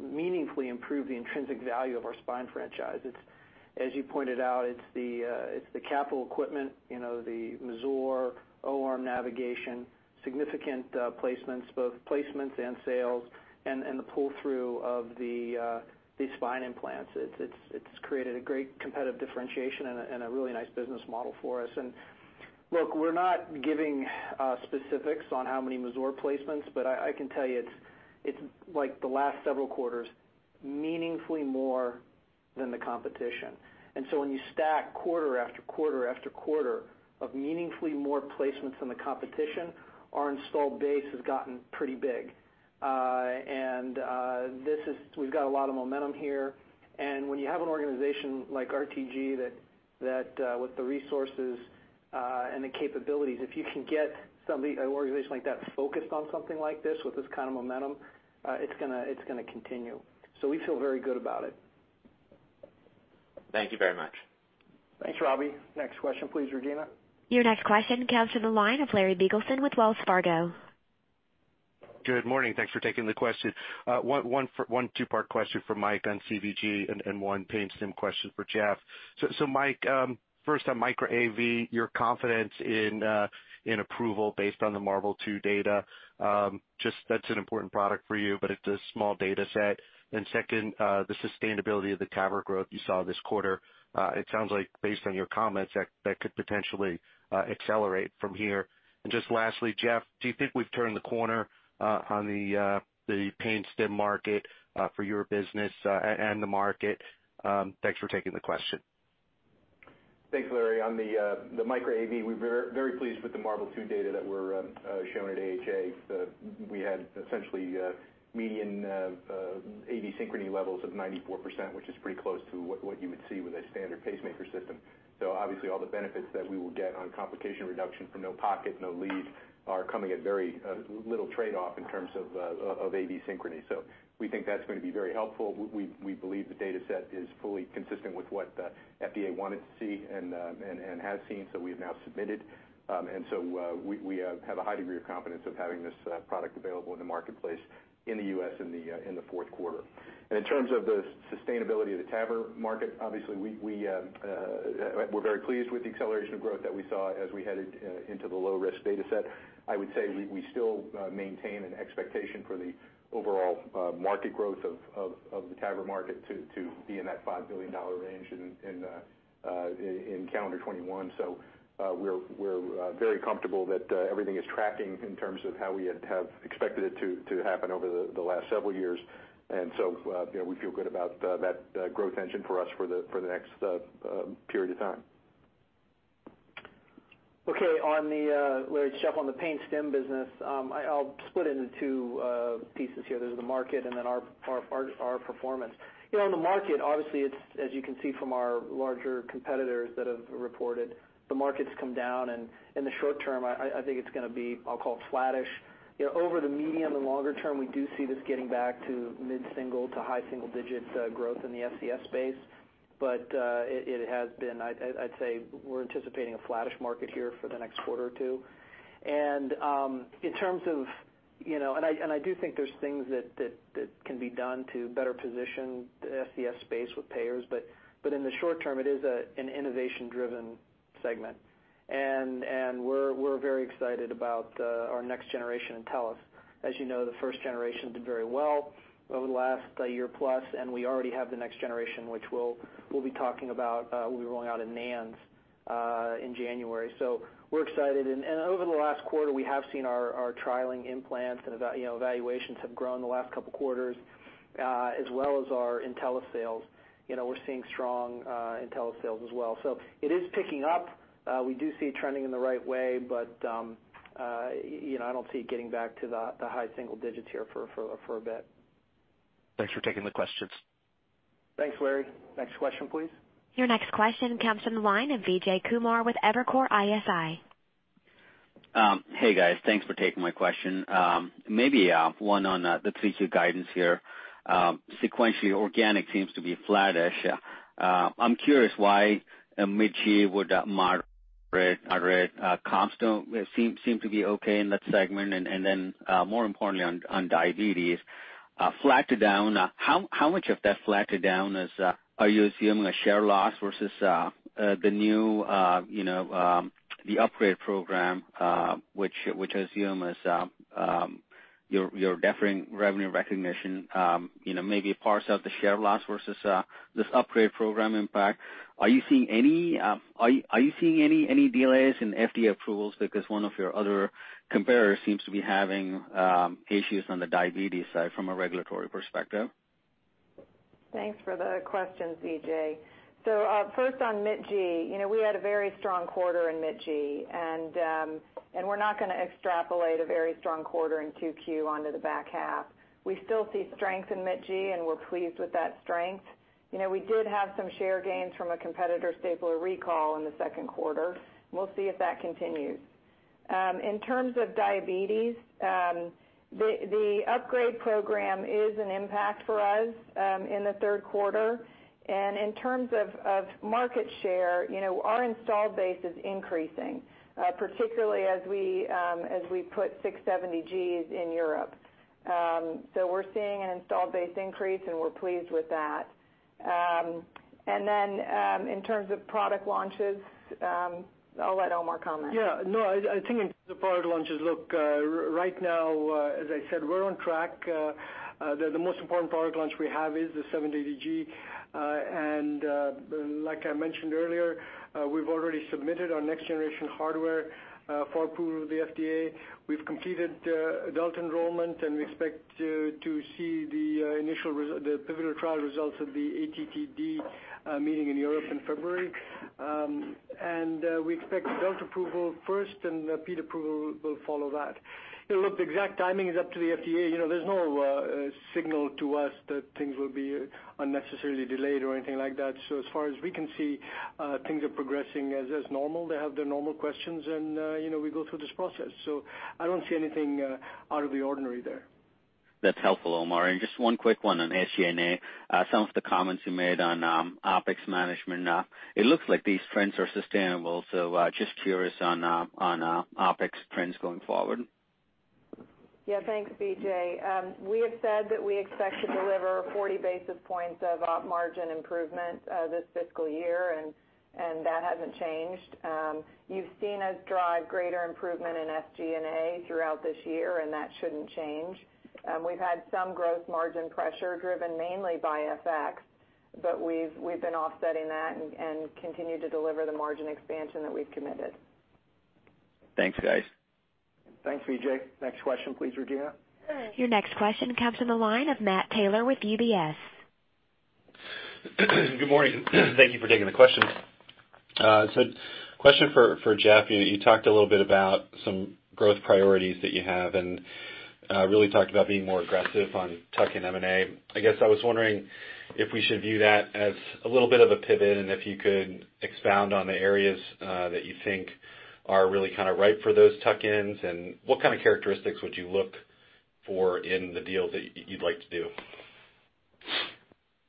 meaningfully improved the intrinsic value of our spine franchise. As you pointed out, it's the capital equipment, the Mazor, O-arm navigation, significant placements, both placements and sales, and the pull-through of the spine implants. It's created a great competitive differentiation and a really nice business model for us. Look, we're not giving specifics on how many Mazor placements, but I can tell you it's like the last several quarters, meaningfully more than the competition. When you stack quarter after quarter after quarter of meaningfully more placements than the competition, our installed base has gotten pretty big. We've got a lot of momentum here, and when you have an organization like RTG with the resources and the capabilities, if you can get an organization like that focused on something like this with this kind of momentum, it's going to continue. We feel very good about it. Thank you very much. Thanks, Robbie. Next question, please, Regina. Your next question comes to the line of Larry Biegelsen with Wells Fargo. Good morning. Thanks for taking the question. One two-part question for Mike on CVG and one pain stim question for Geoff. Mike, first on Micra AV, your confidence in approval based on the MARVEL 2 data. That's an important product for you, but it's a small data set. Second, the sustainability of the TAVR growth you saw this quarter. It sounds like based on your comments, that could potentially accelerate from here. Just lastly, Geoff, do you think we've turned the corner on the pain stim market for your business and the market? Thanks for taking the question. Thanks, Larry. On the Micra AV, we're very pleased with the MARVEL 2 data that we're showing at AHA. We had essentially median AV synchrony levels of 94%, which is pretty close to what you would see with a standard pacemaker system. Obviously all the benefits that we will get on complication reduction from no pocket, no lead are coming at very little trade-off in terms of AV synchrony. We think that's going to be very helpful. We believe the data set is fully consistent with what the FDA wanted to see and has seen. We have now submitted, and so we have a high degree of confidence of having this product available in the marketplace in the U.S. in the fourth quarter. In terms of the sustainability of the TAVR market, obviously we're very pleased with the acceleration of growth that we saw as we headed into the low-risk data set. I would say we still maintain an expectation for the overall market growth of the TAVR market to be in that $5 billion range in calendar 2021. We're very comfortable that everything is tracking in terms of how we have expected it to happen over the last several years. We feel good about that growth engine for us for the next period of time. Okay, Larry, Geoff, on the pain stim business, I'll split it into two pieces here. There's the market and then our performance. On the market, obviously, as you can see from our larger competitors that have reported, the market's come down, and in the short term, I think it's going to be, I'll call it flattish. Over the medium and longer term, we do see this getting back to mid-single to high single digits growth in the SCS space. It has been, I'd say we're anticipating a flattish market here for the next quarter or two. I do think there's things that can be done to better position the SCS space with payers. In the short term, it is an innovation-driven segment. We're very excited about our next generation Intellis. As you know, the first generation did very well over the last year plus, and we already have the next generation, which we'll be talking about. We'll be rolling out in NANS in January. We're excited. Over the last quarter, we have seen our trialing implants and evaluations have grown in the last couple of quarters, as well as our Intellis sales. We're seeing strong Intellis sales as well. It is picking up. We do see it trending in the right way, but I don't see it getting back to the high single digits here for a bit. Thanks for taking the questions. Thanks, Larry. Next question, please. Your next question comes from the line of Vijay Kumar with Evercore ISI. Hey guys, thanks for taking my question. Maybe one on the 3Q guidance here. Sequentially, organic seems to be flattish. I'm curious why MITG would moderate constant seem to be okay in that segment? More importantly on diabetes, flat to down. How much of that flat to down are you assuming a share loss versus the new upgrade program, which I assume is your deferring revenue recognition maybe parse out the share loss versus this upgrade program impact. Are you seeing any delays in FDA approvals? One of your other competitors seems to be having issues on the diabetes side from a regulatory perspective. Thanks for the question, Vijay. First on MITG. We had a very strong quarter in MITG, we're not going to extrapolate a very strong quarter in 2Q onto the back half. We still see strength in MITG, we're pleased with that strength. We did have some share gains from a competitor stapler recall in the second quarter. We'll see if that continues. In terms of diabetes, the upgrade program is an impact for us in the third quarter. In terms of market share, our installed base is increasing, particularly as we put 670Gs in Europe. We're seeing an installed base increase, we're pleased with that. In terms of product launches, I'll let Omar comment. I think in terms of product launches, look, right now, as I said, we're on track. The most important product launch we have is the 780G, like I mentioned earlier, we've already submitted our next generation hardware for approval to the FDA. We've completed adult enrollment, we expect to see the pivotal trial results of the ATTD meeting in Europe in February. We expect adult approval first and the PED approval will follow that. Look, the exact timing is up to the FDA. There's no signal to us that things will be unnecessarily delayed or anything like that. As far as we can see, things are progressing as normal. They have their normal questions, we go through this process. I don't see anything out of the ordinary there. That's helpful, Omar. Just one quick one on SG&A. Some of the comments you made on OpEx management. It looks like these trends are sustainable, just curious on OpEx trends going forward. Yeah. Thanks, Vijay. We have said that we expect to deliver 40 basis points of op margin improvement this fiscal year. That hasn't changed. You've seen us drive greater improvement in SG&A throughout this year. That shouldn't change. We've had some growth margin pressure driven mainly by FX. We've been offsetting that and continue to deliver the margin expansion that we've committed. Thanks, guys. Thanks, Vijay. Next question, please, Regina. Your next question comes from the line of Matt Taylor with UBS. Good morning. Thank you for taking the question. Question for Geoff. You talked a little bit about some growth priorities that you have and really talked about being more aggressive on tuck-in M&A. I guess I was wondering if we should view that as a little bit of a pivot and if you could expound on the areas that you think are really ripe for those tuck-ins, and what kind of characteristics would you look for in the deals that you'd like to do?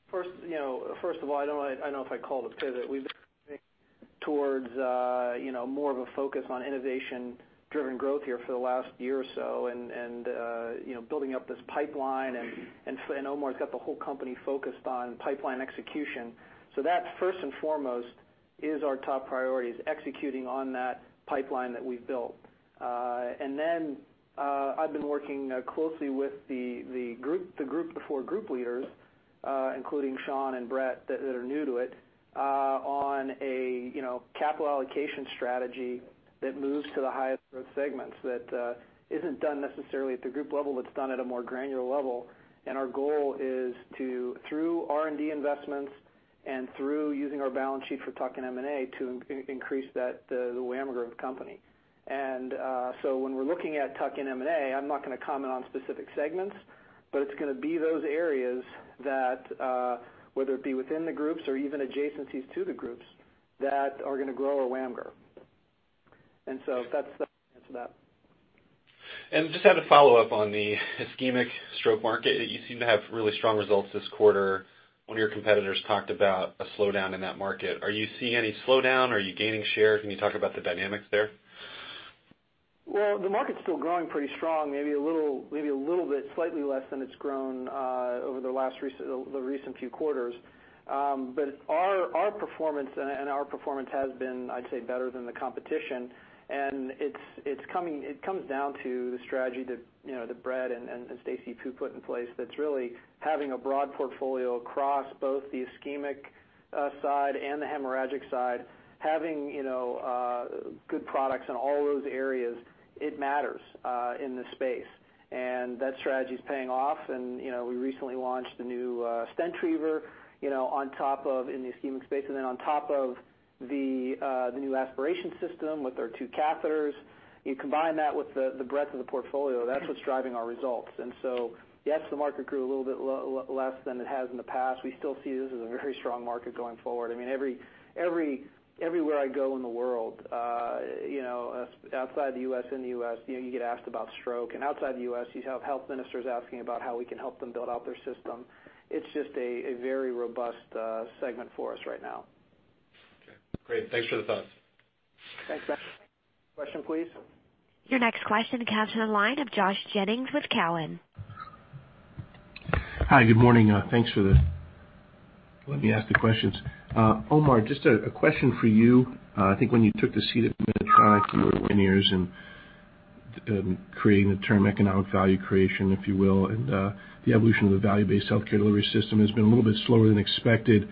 First of all, I don't know if I'd call it a pivot. We've been moving towards more of a focus on innovation-driven growth here for the last year or so and building up this pipeline and Omar's got the whole company focused on pipeline execution. That, first and foremost, is our top priority, is executing on that pipeline that we've built. Then, I've been working closely with the group before group leaders, including Sean and Brett, that are new to it, on a capital allocation strategy that moves to the highest growth segments that isn't done necessarily at the group level, that's done at a more granular level. Our goal is to, through R&D investments and through using our balance sheet for tuck-in M&A to increase the WAMGR growth company. When we're looking at tuck-in M&A, I'm not going to comment on specific segments, but it's going to be those areas that whether it be within the groups or even adjacencies to the groups that are going to grow our WAMGR growth. That's the answer to that. Just had a follow-up on the ischemic stroke market. You seem to have really strong results this quarter. One of your competitors talked about a slowdown in that market. Are you seeing any slowdown? Are you gaining share? Can you talk about the dynamics there? Well, the market's still growing pretty strong, maybe a little bit, slightly less than it's grown over the recent few quarters. Our performance has been, I'd say, better than the competition, and it comes down to the strategy that Brett and Stacey Pugh put in place that's really having a broad portfolio across both the ischemic side and the hemorrhagic side. Having good products in all those areas, it matters in this space, and that strategy's paying off. We recently launched the new Stentriever in the ischemic space, and then on top of the new aspiration system with our two catheters. You combine that with the breadth of the portfolio, that's what's driving our results. Yes, the market grew a little bit less than it has in the past. We still see this as a very strong market going forward. Everywhere I go in the world outside the U.S., in the U.S., you get asked about stroke. Outside the U.S., you have health ministers asking about how we can help them build out their system. It's just a very robust segment for us right now. Great. Thanks for the thoughts. Thanks, Matt. Question please. Your next question comes on the line of Josh Jennings with Cowen. Hi. Good morning. Thanks for letting me ask the questions. Omar, just a question for you. I think when you took the seat at Medtronic, you were pioneers in creating the term economic value creation, if you will, and the evolution of the value-based healthcare delivery system has been a little bit slower than expected.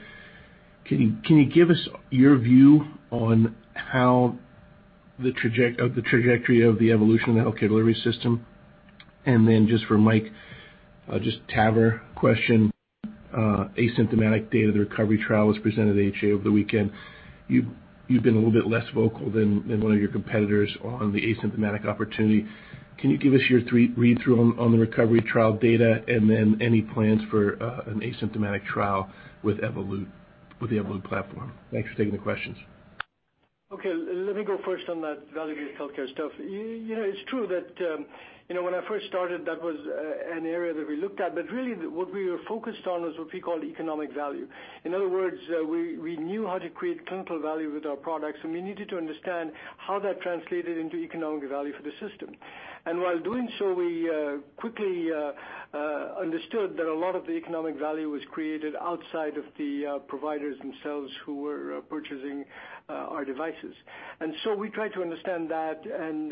Can you give us your view on the trajectory of the evolution of the healthcare delivery system? Then just for Mike, just TAVR question, asymptomatic data, the RECOVERY trial was presented at AHA over the weekend. You've been a little bit less vocal than one of your competitors on the asymptomatic opportunity. Can you give us your read-through on the RECOVERY trial data and then any plans for an asymptomatic trial with the Evolut platform? Thanks for taking the questions. Okay. Let me go first on that value-based healthcare stuff. It's true that when I first started, that was an area that we looked at, but really what we were focused on was what we called economic value. In other words, we knew how to create clinical value with our products, and we needed to understand how that translated into economic value for the system. While doing so, we quickly understood that a lot of the economic value was created outside of the providers themselves who were purchasing our devices. We tried to understand that, and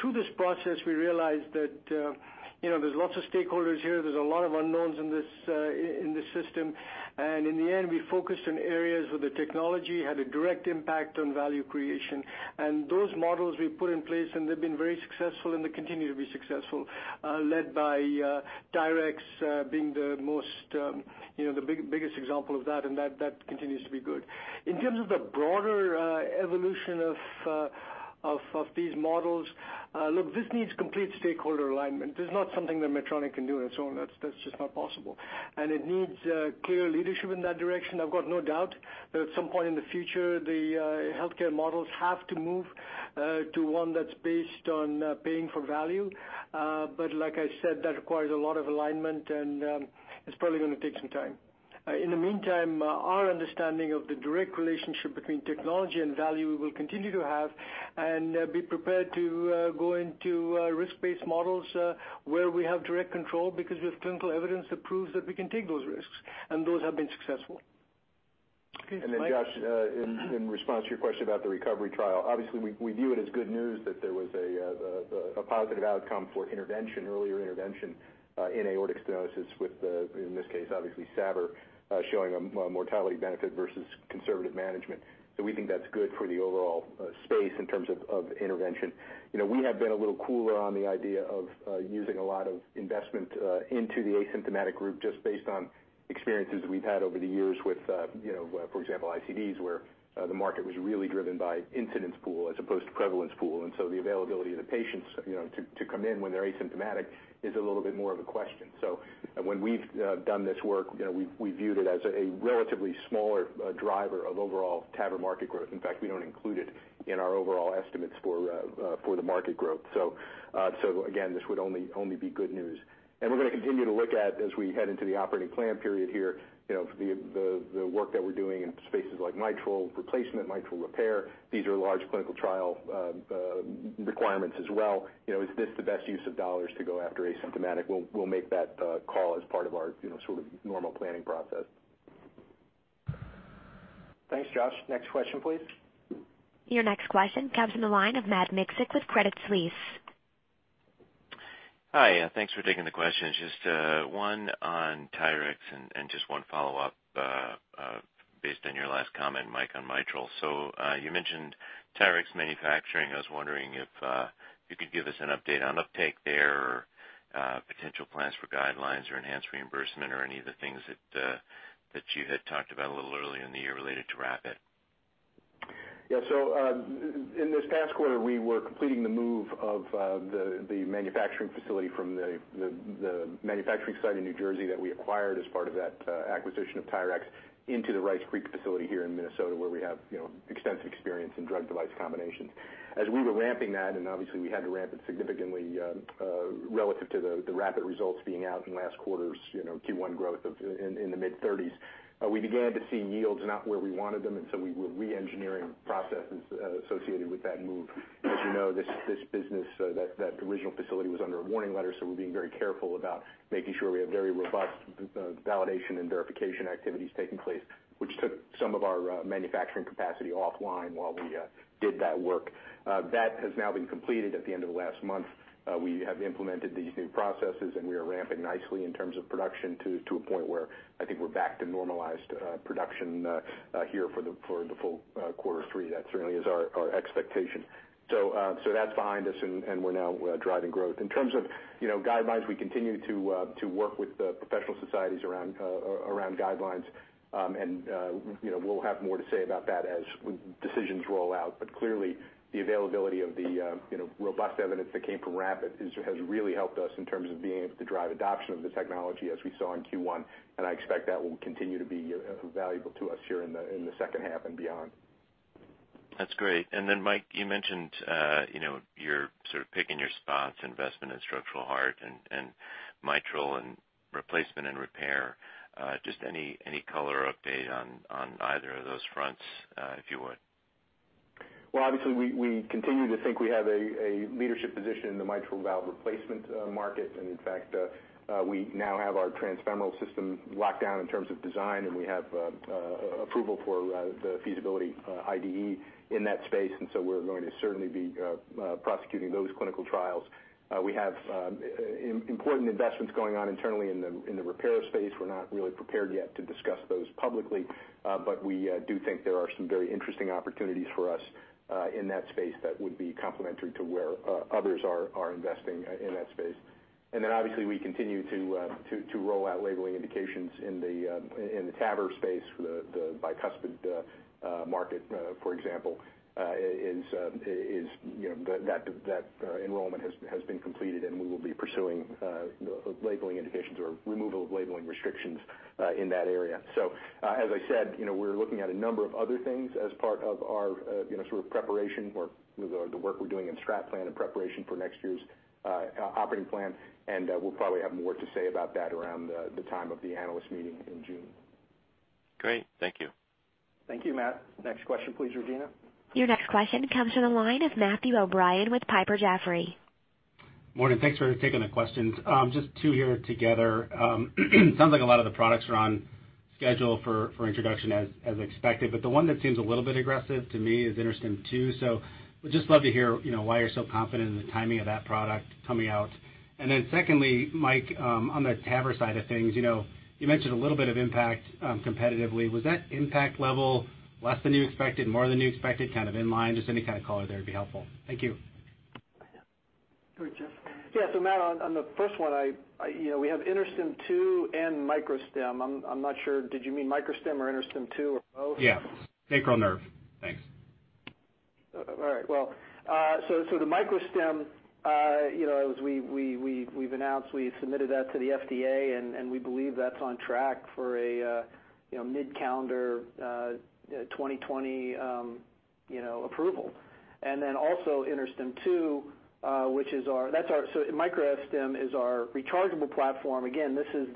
through this process, we realized that there's lots of stakeholders here. There's a lot of unknowns in this system. In the end, we focused on areas where the technology had a direct impact on value creation. Those models we put in place, and they've been very successful and they continue to be successful, led by TYRX being the biggest example of that, and that continues to be good. In terms of the broader evolution of these models, look, this needs complete stakeholder alignment. This is not something that Medtronic can do on its own. That's just not possible. It needs clear leadership in that direction. I've got no doubt that at some point in the future, the healthcare models have to move to one that's based on paying for value. Like I said, that requires a lot of alignment and it's probably going to take some time. In the meantime, our understanding of the direct relationship between technology and value we will continue to have and be prepared to go into risk-based models where we have direct control because we have clinical evidence that proves that we can take those risks, and those have been successful. Okay, Mike? Josh, in response to your question about the RECOVERY trial, obviously we view it as good news that there was a positive outcome for earlier intervention in aortic stenosis with, in this case, obviously SAVR showing a mortality benefit versus conservative management. We think that's good for the overall space in terms of intervention. We have been a little cooler on the idea of using a lot of investment into the asymptomatic group just based on experiences we've had over the years with, for example, ICDs, where the market was really driven by incidence pool as opposed to prevalence pool. The availability of the patients to come in when they're asymptomatic is a little bit more of a question. When we've done this work, we viewed it as a relatively smaller driver of overall TAVR market growth. In fact, we don't include it in our overall estimates for the market growth. Again, this would only be good news. We're going to continue to look at as we head into the operating plan period here, the work that we're doing in spaces like mitral replacement, mitral repair. These are large clinical trial requirements as well. Is this the best use of dollars to go after asymptomatic? We'll make that call as part of our sort of normal planning process. Thanks, Josh. Next question, please. Your next question comes on the line of Matt Miksic with Credit Suisse. Hi. Thanks for taking the questions. Just one on TYRX and just one follow-up based on your last comment, Mike, on mitral. You mentioned TYRX manufacturing. I was wondering if you could give us an update on uptake there or potential plans for guidelines or enhanced reimbursement or any of the things that you had talked about a little earlier in the year related to RAPID. Yeah. In this past quarter, we were completing the move of the manufacturing facility from the manufacturing site in New Jersey that we acquired as part of that acquisition of TYRX into the Rice Creek facility here in Minnesota, where we have extensive experience in drug device combinations. As we were ramping that, and obviously we had to ramp it significantly relative to the RAPID results being out in last quarter's Q1 growth in the mid-30s. We began to see yields not where we wanted them, and so we were re-engineering processes associated with that move. As you know, this business, that original facility was under a warning letter, so we're being very careful about making sure we have very robust validation and verification activities taking place, which took some of our manufacturing capacity offline while we did that work. That has now been completed at the end of last month. We have implemented these new processes, and we are ramping nicely in terms of production to a point where I think we're back to normalized production here for the full quarter three. That certainly is our expectation. That's behind us, and we're now driving growth. In terms of guidelines, we continue to work with the professional societies around guidelines, and we'll have more to say about that as decisions roll out. Clearly, the availability of the robust evidence that came from RAPID has really helped us in terms of being able to drive adoption of the technology as we saw in Q1, and I expect that will continue to be valuable to us here in the second half and beyond. That's great. Mike, you mentioned you're sort of picking your spots, investment in structural heart and mitral and replacement and repair. Just any color or update on either of those fronts, if you would? Well, obviously, we continue to think we have a leadership position in the mitral valve replacement market. In fact, we now have our transfemoral system locked down in terms of design, and we have approval for the feasibility IDE in that space. We're going to certainly be prosecuting those clinical trials. We have important investments going on internally in the repair space. We're not really prepared yet to discuss those publicly. We do think there are some very interesting opportunities for us in that space that would be complementary to where others are investing in that space. Obviously we continue to roll out labeling indications in the TAVR space for the bicuspid market, for example. That enrollment has been completed, and we will be pursuing labeling indications or removal of labeling restrictions in that area. As I said, we're looking at a number of other things as part of our sort of preparation or the work we're doing in strat plan and preparation for next year's operating plan. We'll probably have more to say about that around the time of the analyst meeting in June. Great. Thank you. Thank you, Matt. Next question, please, Regina. Your next question comes from the line of Matthew O'Brien with Piper Jaffray. Morning. Thanks for taking the questions. Just two here together. Sounds like a lot of the products are on schedule for introduction as expected, but the one that seems a little bit aggressive to me is InterStim II, so would just love to hear why you're so confident in the timing of that product coming out. Secondly, Mike, on the TAVR side of things, you mentioned a little bit of impact competitively. Was that impact level less than you expected, more than you expected, kind of in line? Just any kind of color there would be helpful. Thank you. Go, Geoff. Yeah. Matt, on the first one, we have InterStim II and InterStim Micro. I'm not sure. Did you mean InterStim Micro or InterStim II or both? Yeah. *inaudible* Thanks. All right. Well, the InterStim Micro, as we've announced, we submitted that to the FDA, and we believe that's on track for a mid-calendar 2020 approval. Also InterStim II, InterStim Micro is our rechargeable platform. Again, this will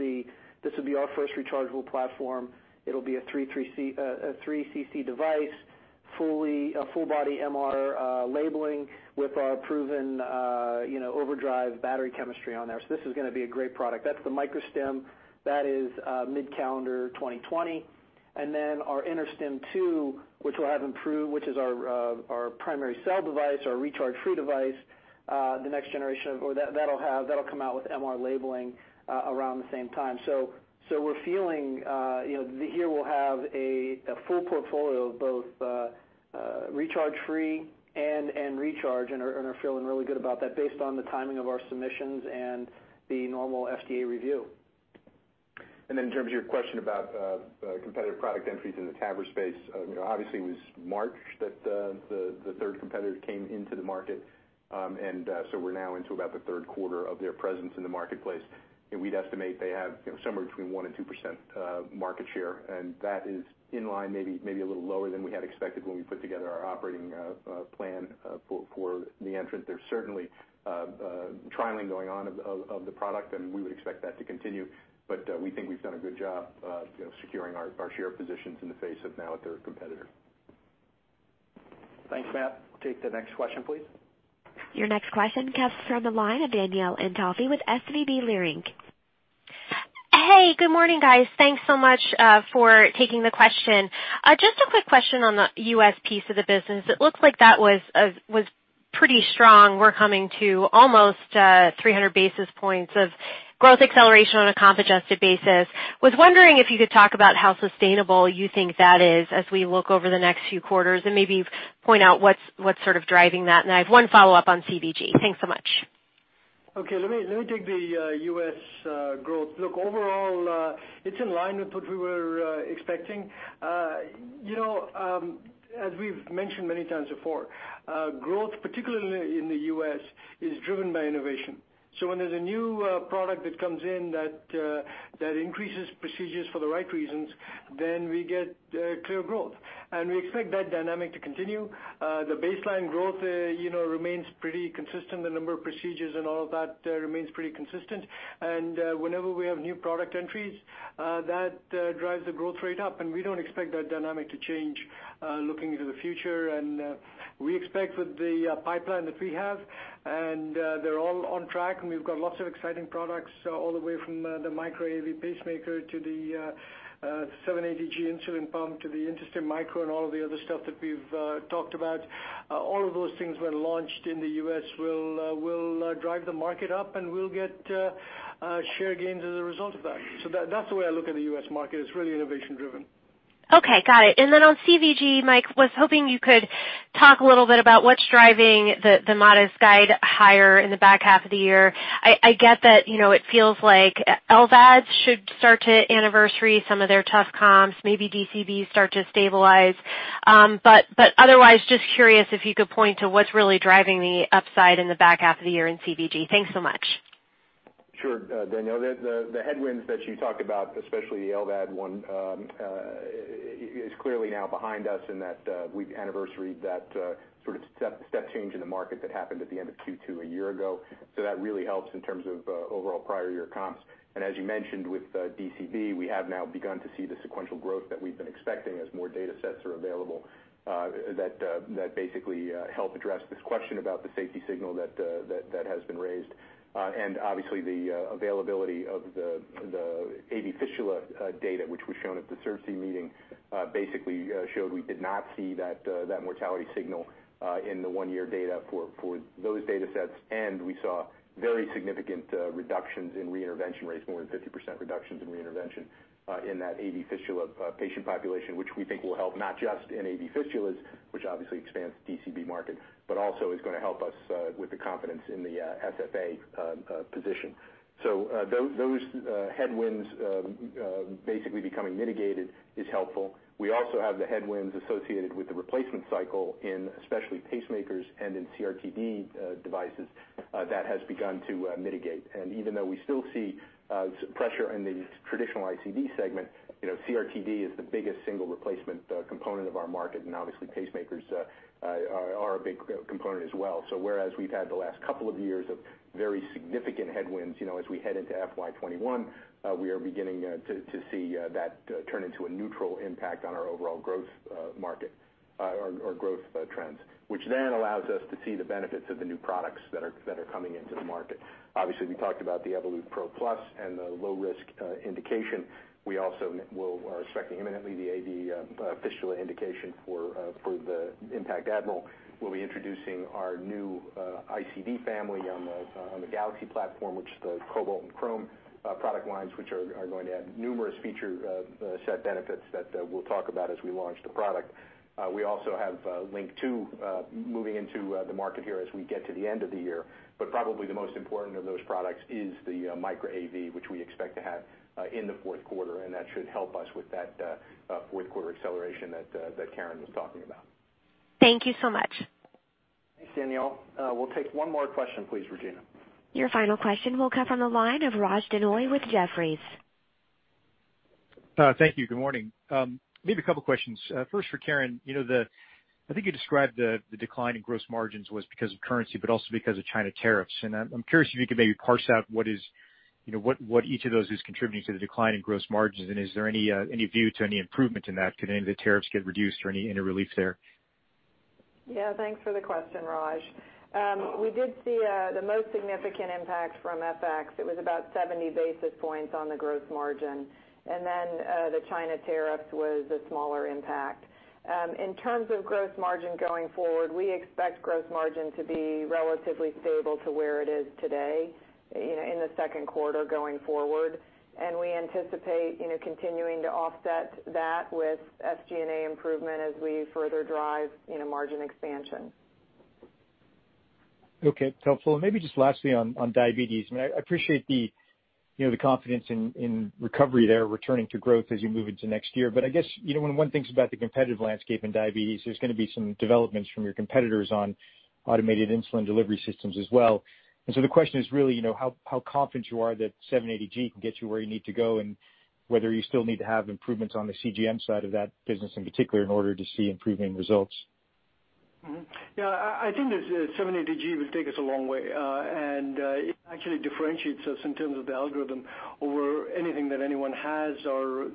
be our first rechargeable platform. It'll be a 3 cc device, a full-body MR labeling with our proven OverDrive battery chemistry on there. This is going to be a great product. That's the InterStim Micro. That is mid-calendar 2020. Our InterStim II, which is our primary cell device, our recharge-free device, that'll come out with MR labeling around the same time. We're feeling here we'll have a full portfolio of both recharge-free and recharge and are feeling really good about that based on the timing of our submissions and the normal FDA review. In terms of your question about competitive product entries in the TAVR space, obviously it was March that the third competitor came into the market. We're now into about the third quarter of their presence in the marketplace. We'd estimate they have somewhere between 1% and 2% market share, and that is in line, maybe a little lower than we had expected when we put together our operating plan for the entrant. There's certainly trialing going on of the product, and we would expect that to continue. We think we've done a good job securing our share positions in the face of now a third competitor. Thanks, Matt. Take the next question, please. Your next question comes from the line of Danielle Antalffy with SVB Leerink. Hey, good morning, guys. Thanks so much for taking the question. Just a quick question on the U.S. piece of the business. It looks like that was pretty strong. We're coming to almost 300 basis points of growth acceleration on a comp adjusted basis. Was wondering if you could talk about how sustainable you think that is as we look over the next few quarters and maybe point out what's sort of driving that. I have one follow-up on CVG. Thanks so much. Let me take the U.S. growth look. Overall, it's in line with what we were expecting. As we've mentioned many times before, growth, particularly in the U.S., is driven by innovation. When there's a new product that comes in that increases procedures for the right reasons, then we get clear growth, and we expect that dynamic to continue. The baseline growth remains pretty consistent. The number of procedures and all of that remains pretty consistent. Whenever we have new product entries, that drives the growth rate up, and we don't expect that dynamic to change looking into the future. We expect with the pipeline that we have, and they're all on track, and we've got lots of exciting products all the way from the Micra AV pacemaker to the 780G insulin pump to the InterStim Micro and all of the other stuff that we've talked about. All of those things when launched in the U.S. will drive the market up, and we'll get share gains as a result of that. That's the way I look at the U.S. market. It's really innovation driven. Okay, got it. On CVG, Mike, was hoping you could talk a little bit about what's driving the modest guide higher in the back half of the year. I get that it feels like LVADs should start to anniversary some of their tough comps, maybe DCBs start to stabilize. Otherwise, just curious if you could point to what's really driving the upside in the back half of the year in CVG. Thanks so much. Sure, Danielle. The headwinds that you talked about, especially the LVAD one, is clearly now behind us in that we've anniversaried that sort of step change in the market that happened at the end of Q2 a year ago. That really helps in terms of overall prior year comps. As you mentioned, with DCB, we have now begun to see the sequential growth that we've been expecting as more data sets are available that basically help address this question about the safety signal that has been raised. Obviously the availability of the AV fistula data, which was shown at the VIVA meeting, basically showed we did not see that mortality signal in the one-year data for those data sets. We saw very significant reductions in re-intervention rates, more than 50% reductions in re-intervention in that AV fistula patient population, which we think will help not just in AV fistulas, which obviously expands DCB market, but also is going to help us with the confidence in the SFA position. Those headwinds basically becoming mitigated is helpful. We also have the headwinds associated with the replacement cycle in especially pacemakers and in CRT-D devices that has begun to mitigate. Even though we still see pressure in the traditional ICD segment, CRT-D is the biggest single replacement component of our market, and obviously pacemakers are a big component as well. Whereas we've had the last couple of years of very significant headwinds, as we head into FY 2021, we are beginning to see that turn into a neutral impact on our overall growth market or growth trends. Which allows us to see the benefits of the new products that are coming into the market. Obviously, we talked about the Evolut PRO+ and the low risk indication. We also are expecting imminently the AV fistula indication for the IN.PACT Admiral. We will be introducing our new ICD family on the Galaxy platform, which is the Cobalt and Crome product lines, which are going to add numerous feature set benefits that we will talk about as we launch the product. We also have LINQ II moving into the market here as we get to the end of the year. Probably the most important of those products is the Micra AV, which we expect to have in the fourth quarter, and that should help us with that fourth quarter acceleration that Karen was talking about. Thank you so much. Thanks, Danielle. We'll take one more question please, Regina. Your final question will come from the line of Raj Denhoy with Jefferies. Thank you. Good morning. Maybe a couple questions. First for Karen. I think you described the decline in gross margins was because of currency, but also because of China tariffs. I'm curious if you could maybe parse out what each of those is contributing to the decline in gross margins, and is there any view to any improvement in that? Could any of the tariffs get reduced or any relief there? Yeah, thanks for the question, Raj. We did see the most significant impact from FX. It was about 70 basis points on the growth margin. The China tariffs was a smaller impact. In terms of growth margin going forward, we expect growth margin to be relatively stable to where it is today in the second quarter going forward. We anticipate continuing to offset that with SG&A improvement as we further drive margin expansion. Okay. Helpful. Maybe just lastly on diabetes. I appreciate the confidence in recovery there, returning to growth as you move into next year. I guess, when one thinks about the competitive landscape in diabetes, there's going to be some developments from your competitors on automated insulin delivery systems as well. The question is really how confident you are that 780G can get you where you need to go and whether you still need to have improvements on the CGM side of that business in particular in order to see improving results. Yeah, I think the 780G will take us a long way. It actually differentiates us in terms of the algorithm over anything that anyone has or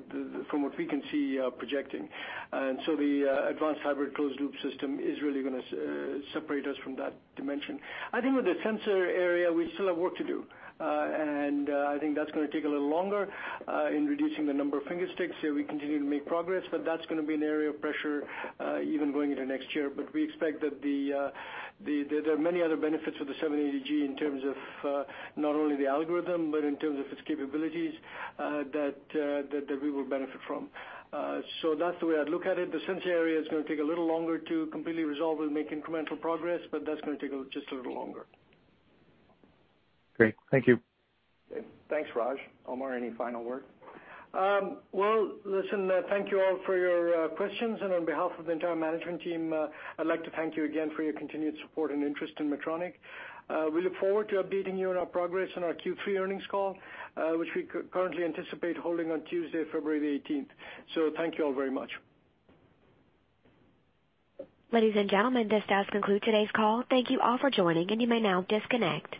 from what we can see projecting. The advanced hybrid closed loop system is really going to separate us from that dimension. I think with the sensor area, we still have work to do. I think that's going to take a little longer in reducing the number of finger sticks. We continue to make progress, but that's going to be an area of pressure even going into next year. We expect that there are many other benefits of the 780G in terms of not only the algorithm, but in terms of its capabilities that we will benefit from. That's the way I'd look at it. The sensor area is going to take a little longer to completely resolve. We'll make incremental progress, but that's going to take just a little longer. Great. Thank you. Okay. Thanks, Raj. Omar, any final word? Well, listen, thank you all for your questions. On behalf of the entire management team, I'd like to thank you again for your continued support and interest in Medtronic. We look forward to updating you on our progress on our Q3 earnings call, which we currently anticipate holding on Tuesday, February the 18th. Thank you all very much. Ladies and gentlemen, this does conclude today's call. Thank you all for joining and you may now disconnect.